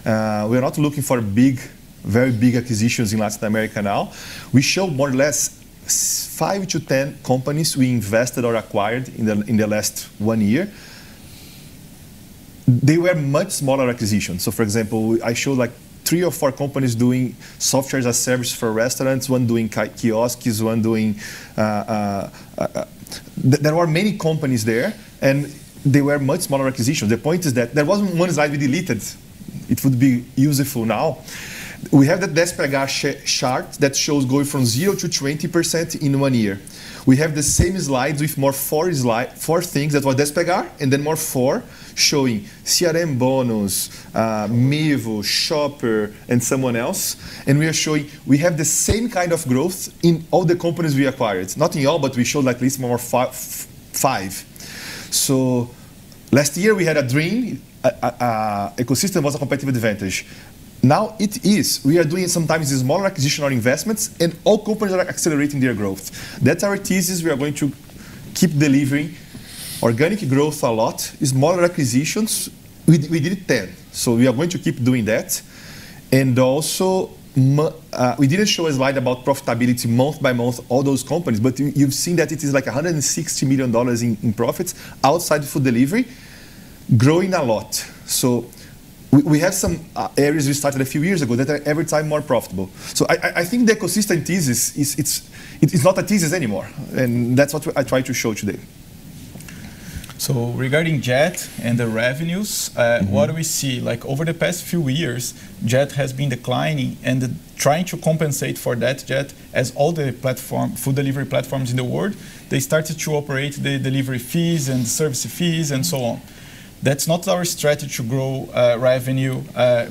We are not looking for very big acquisitions in Latin America now. We show more or less five to 10 companies we invested or acquired in the last one year. They were much smaller acquisitions. For example, I showed three or four companies doing Software as a Service for restaurants, one doing kiosks. There were many companies there, and they were much smaller acquisitions. The point is that there wasn't one as iFood delivery. It would be useful now. We have the Despegar chart that shows going from zero to 20% in one year. We have the same slides with four things that were Despegar, and then more four showing CRMBonus, Mevo, Shopper, and someone else. We are showing we have the same kind of growth in all the companies we acquired. Not in all, but we showed at least more five. Last year we had a dream. Ecosystem was a competitive advantage. Now it is. We are doing sometimes the smaller acquisition or investments, and all companies are accelerating their growth. That's our thesis we are going to keep delivering. Organic growth a lot is more acquisitions. We did 10. We are going to keep doing that. Also, we didn't show a slide about profitability month-by-month, all those companies, but you've seen that it is like $160 million in profits outside food delivery growing a lot. We have some areas we started a few years ago that are every time more profitable. I think the ecosystem thesis, it's not a thesis anymore, and that's what I tried to show today. Regarding JET and the revenues, what do we see? Over the past few years, JET has been declining and trying to compensate for that, JET, as all the food delivery platforms in the world, they started to operate the delivery fees and service fees and so on. That's not our strategy to grow revenue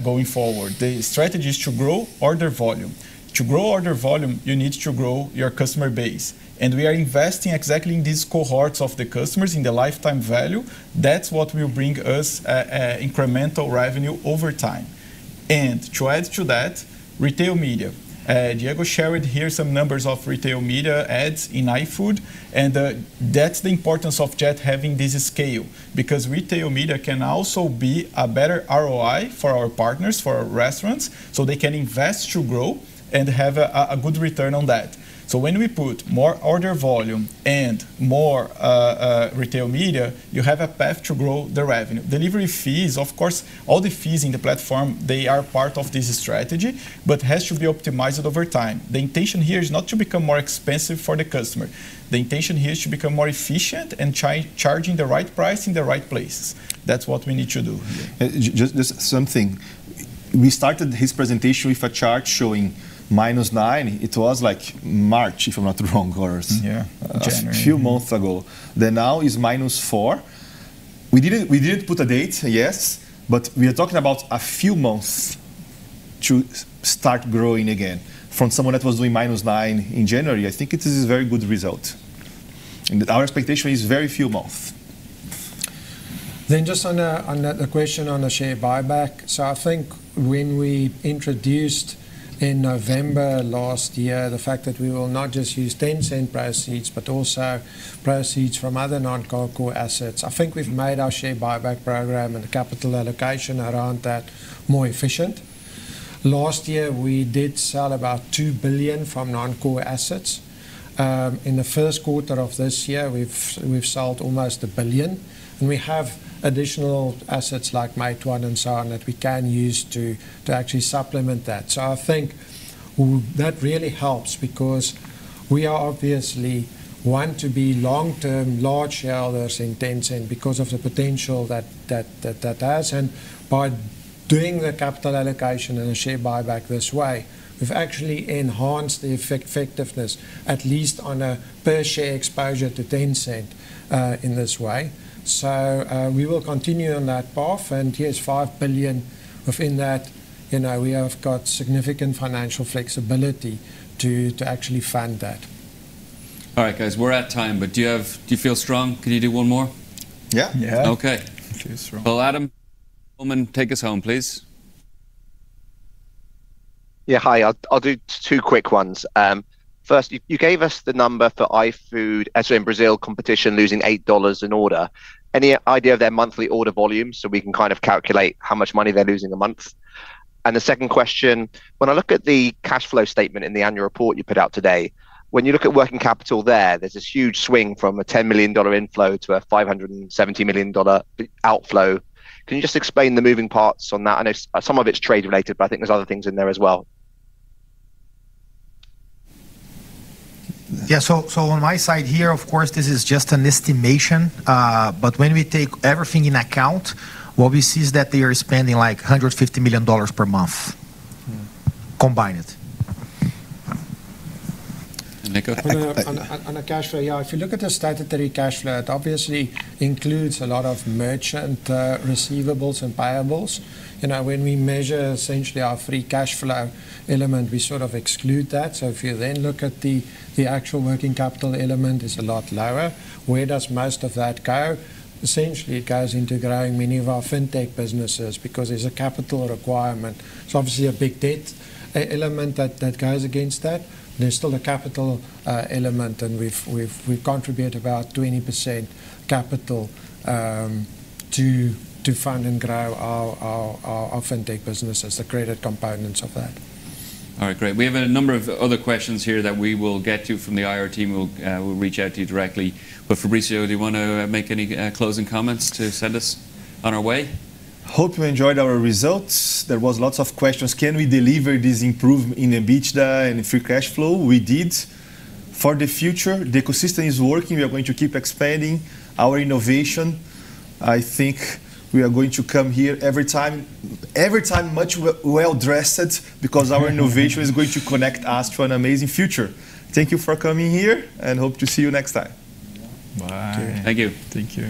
going forward. The strategy is to grow order volume. To grow order volume, you need to grow your customer base, and we are investing exactly in these cohorts of the customers in the lifetime value. That's what will bring us incremental revenue over time. To add to that, retail media. Diego shared here some numbers of retail media ads in iFood, and that's the importance of JET having this scale. Retail media can also be a better ROI for our partners, for our restaurants, so they can invest to grow and have a good return on that. When we put more order volume and more retail media, you have a path to grow the revenue. Delivery fees, of course, all the fees in the platform, they are part of this strategy, but has to be optimized over time. The intention here is not to become more expensive for the customer. The intention here is to become more efficient and charging the right price in the right places. That's what we need to do. Just something. We started his presentation with a chart showing -9. It was like March, if I'm not wrong. Yeah. January Just a few months ago. Now is -4. We didn't put a date, yes, we are talking about a few months to start growing again. From someone that was doing -9 in January, I think it is a very good result. Our expectation is very few months. Just on the question on the share buyback. I think when we introduced in November last year, the fact that we will not just use Tencent proceeds, but also proceeds from other non-core assets. I think we've made our share buyback program and the capital allocation around that more efficient. Last year, we did sell about $2 billion from non-core assets. In the first quarter of this year, we've sold almost a billion, and we have additional assets like Meituan and so on that we can use to actually supplement that. I think that really helps because we are obviously want to be long-term large shareholders in Tencent because of the potential that that has. And by doing the capital allocation and the share buyback this way, we've actually enhanced the effectiveness, at least on a per share exposure to Tencent, in this way. We will continue on that path, and here's $5 billion within that. We have got significant financial flexibility to actually fund that. All right, guys. We're out of time. Do you feel strong? Can you do one more? Yeah. Yeah. Okay. Feel strong. Adam Hellmann, take us home, please. Hi. I'll do two quick ones. First, you gave us the number for iFood, as in Brazil competition losing $8 an order. Any idea of their monthly order volume so we can kind of calculate how much money they're losing a month? The second question, when I look at the cash flow statement in the annual report you put out today, when you look at working capital there's this huge swing from a $10 million inflow to a $570 million outflow. Can you just explain the moving parts on that? I know some of it's trade-related, but I think there's other things in there as well. On my side here, of course, this is just an estimation. When we take everything in account, what we see is that they are spending like $150 million per month combined. Nico? On the cash flow, yeah. If you look at the statutory cash flow, it obviously includes a lot of merchant receivables and payables. When we measure essentially our free cash flow element, we sort of exclude that. If you then look at the actual working capital element is a lot lower. Where does most of that go? Essentially, it goes into growing many of our fintech businesses because there's a capital requirement. It's obviously a big debt element that goes against that. There's still a capital element, and we contribute about 20% capital to fund and grow our fintech businesses, the credit components of that. All right. Great. We have a number of other questions here that we will get to from the IR team, who will reach out to you directly. Fabricio, do you want to make any closing comments to send us on our way? Hope you enjoyed our results. There was lots of questions. Can we deliver this improvement in EBITDA and free cash flow? We did. For the future, the ecosystem is working. We are going to keep expanding our innovation. I think we are going to come here every time much well-dressed because our innovation is going to connect us to an amazing future. Thank you for coming here, and hope to see you next time. Bye. Thank you. Thank you.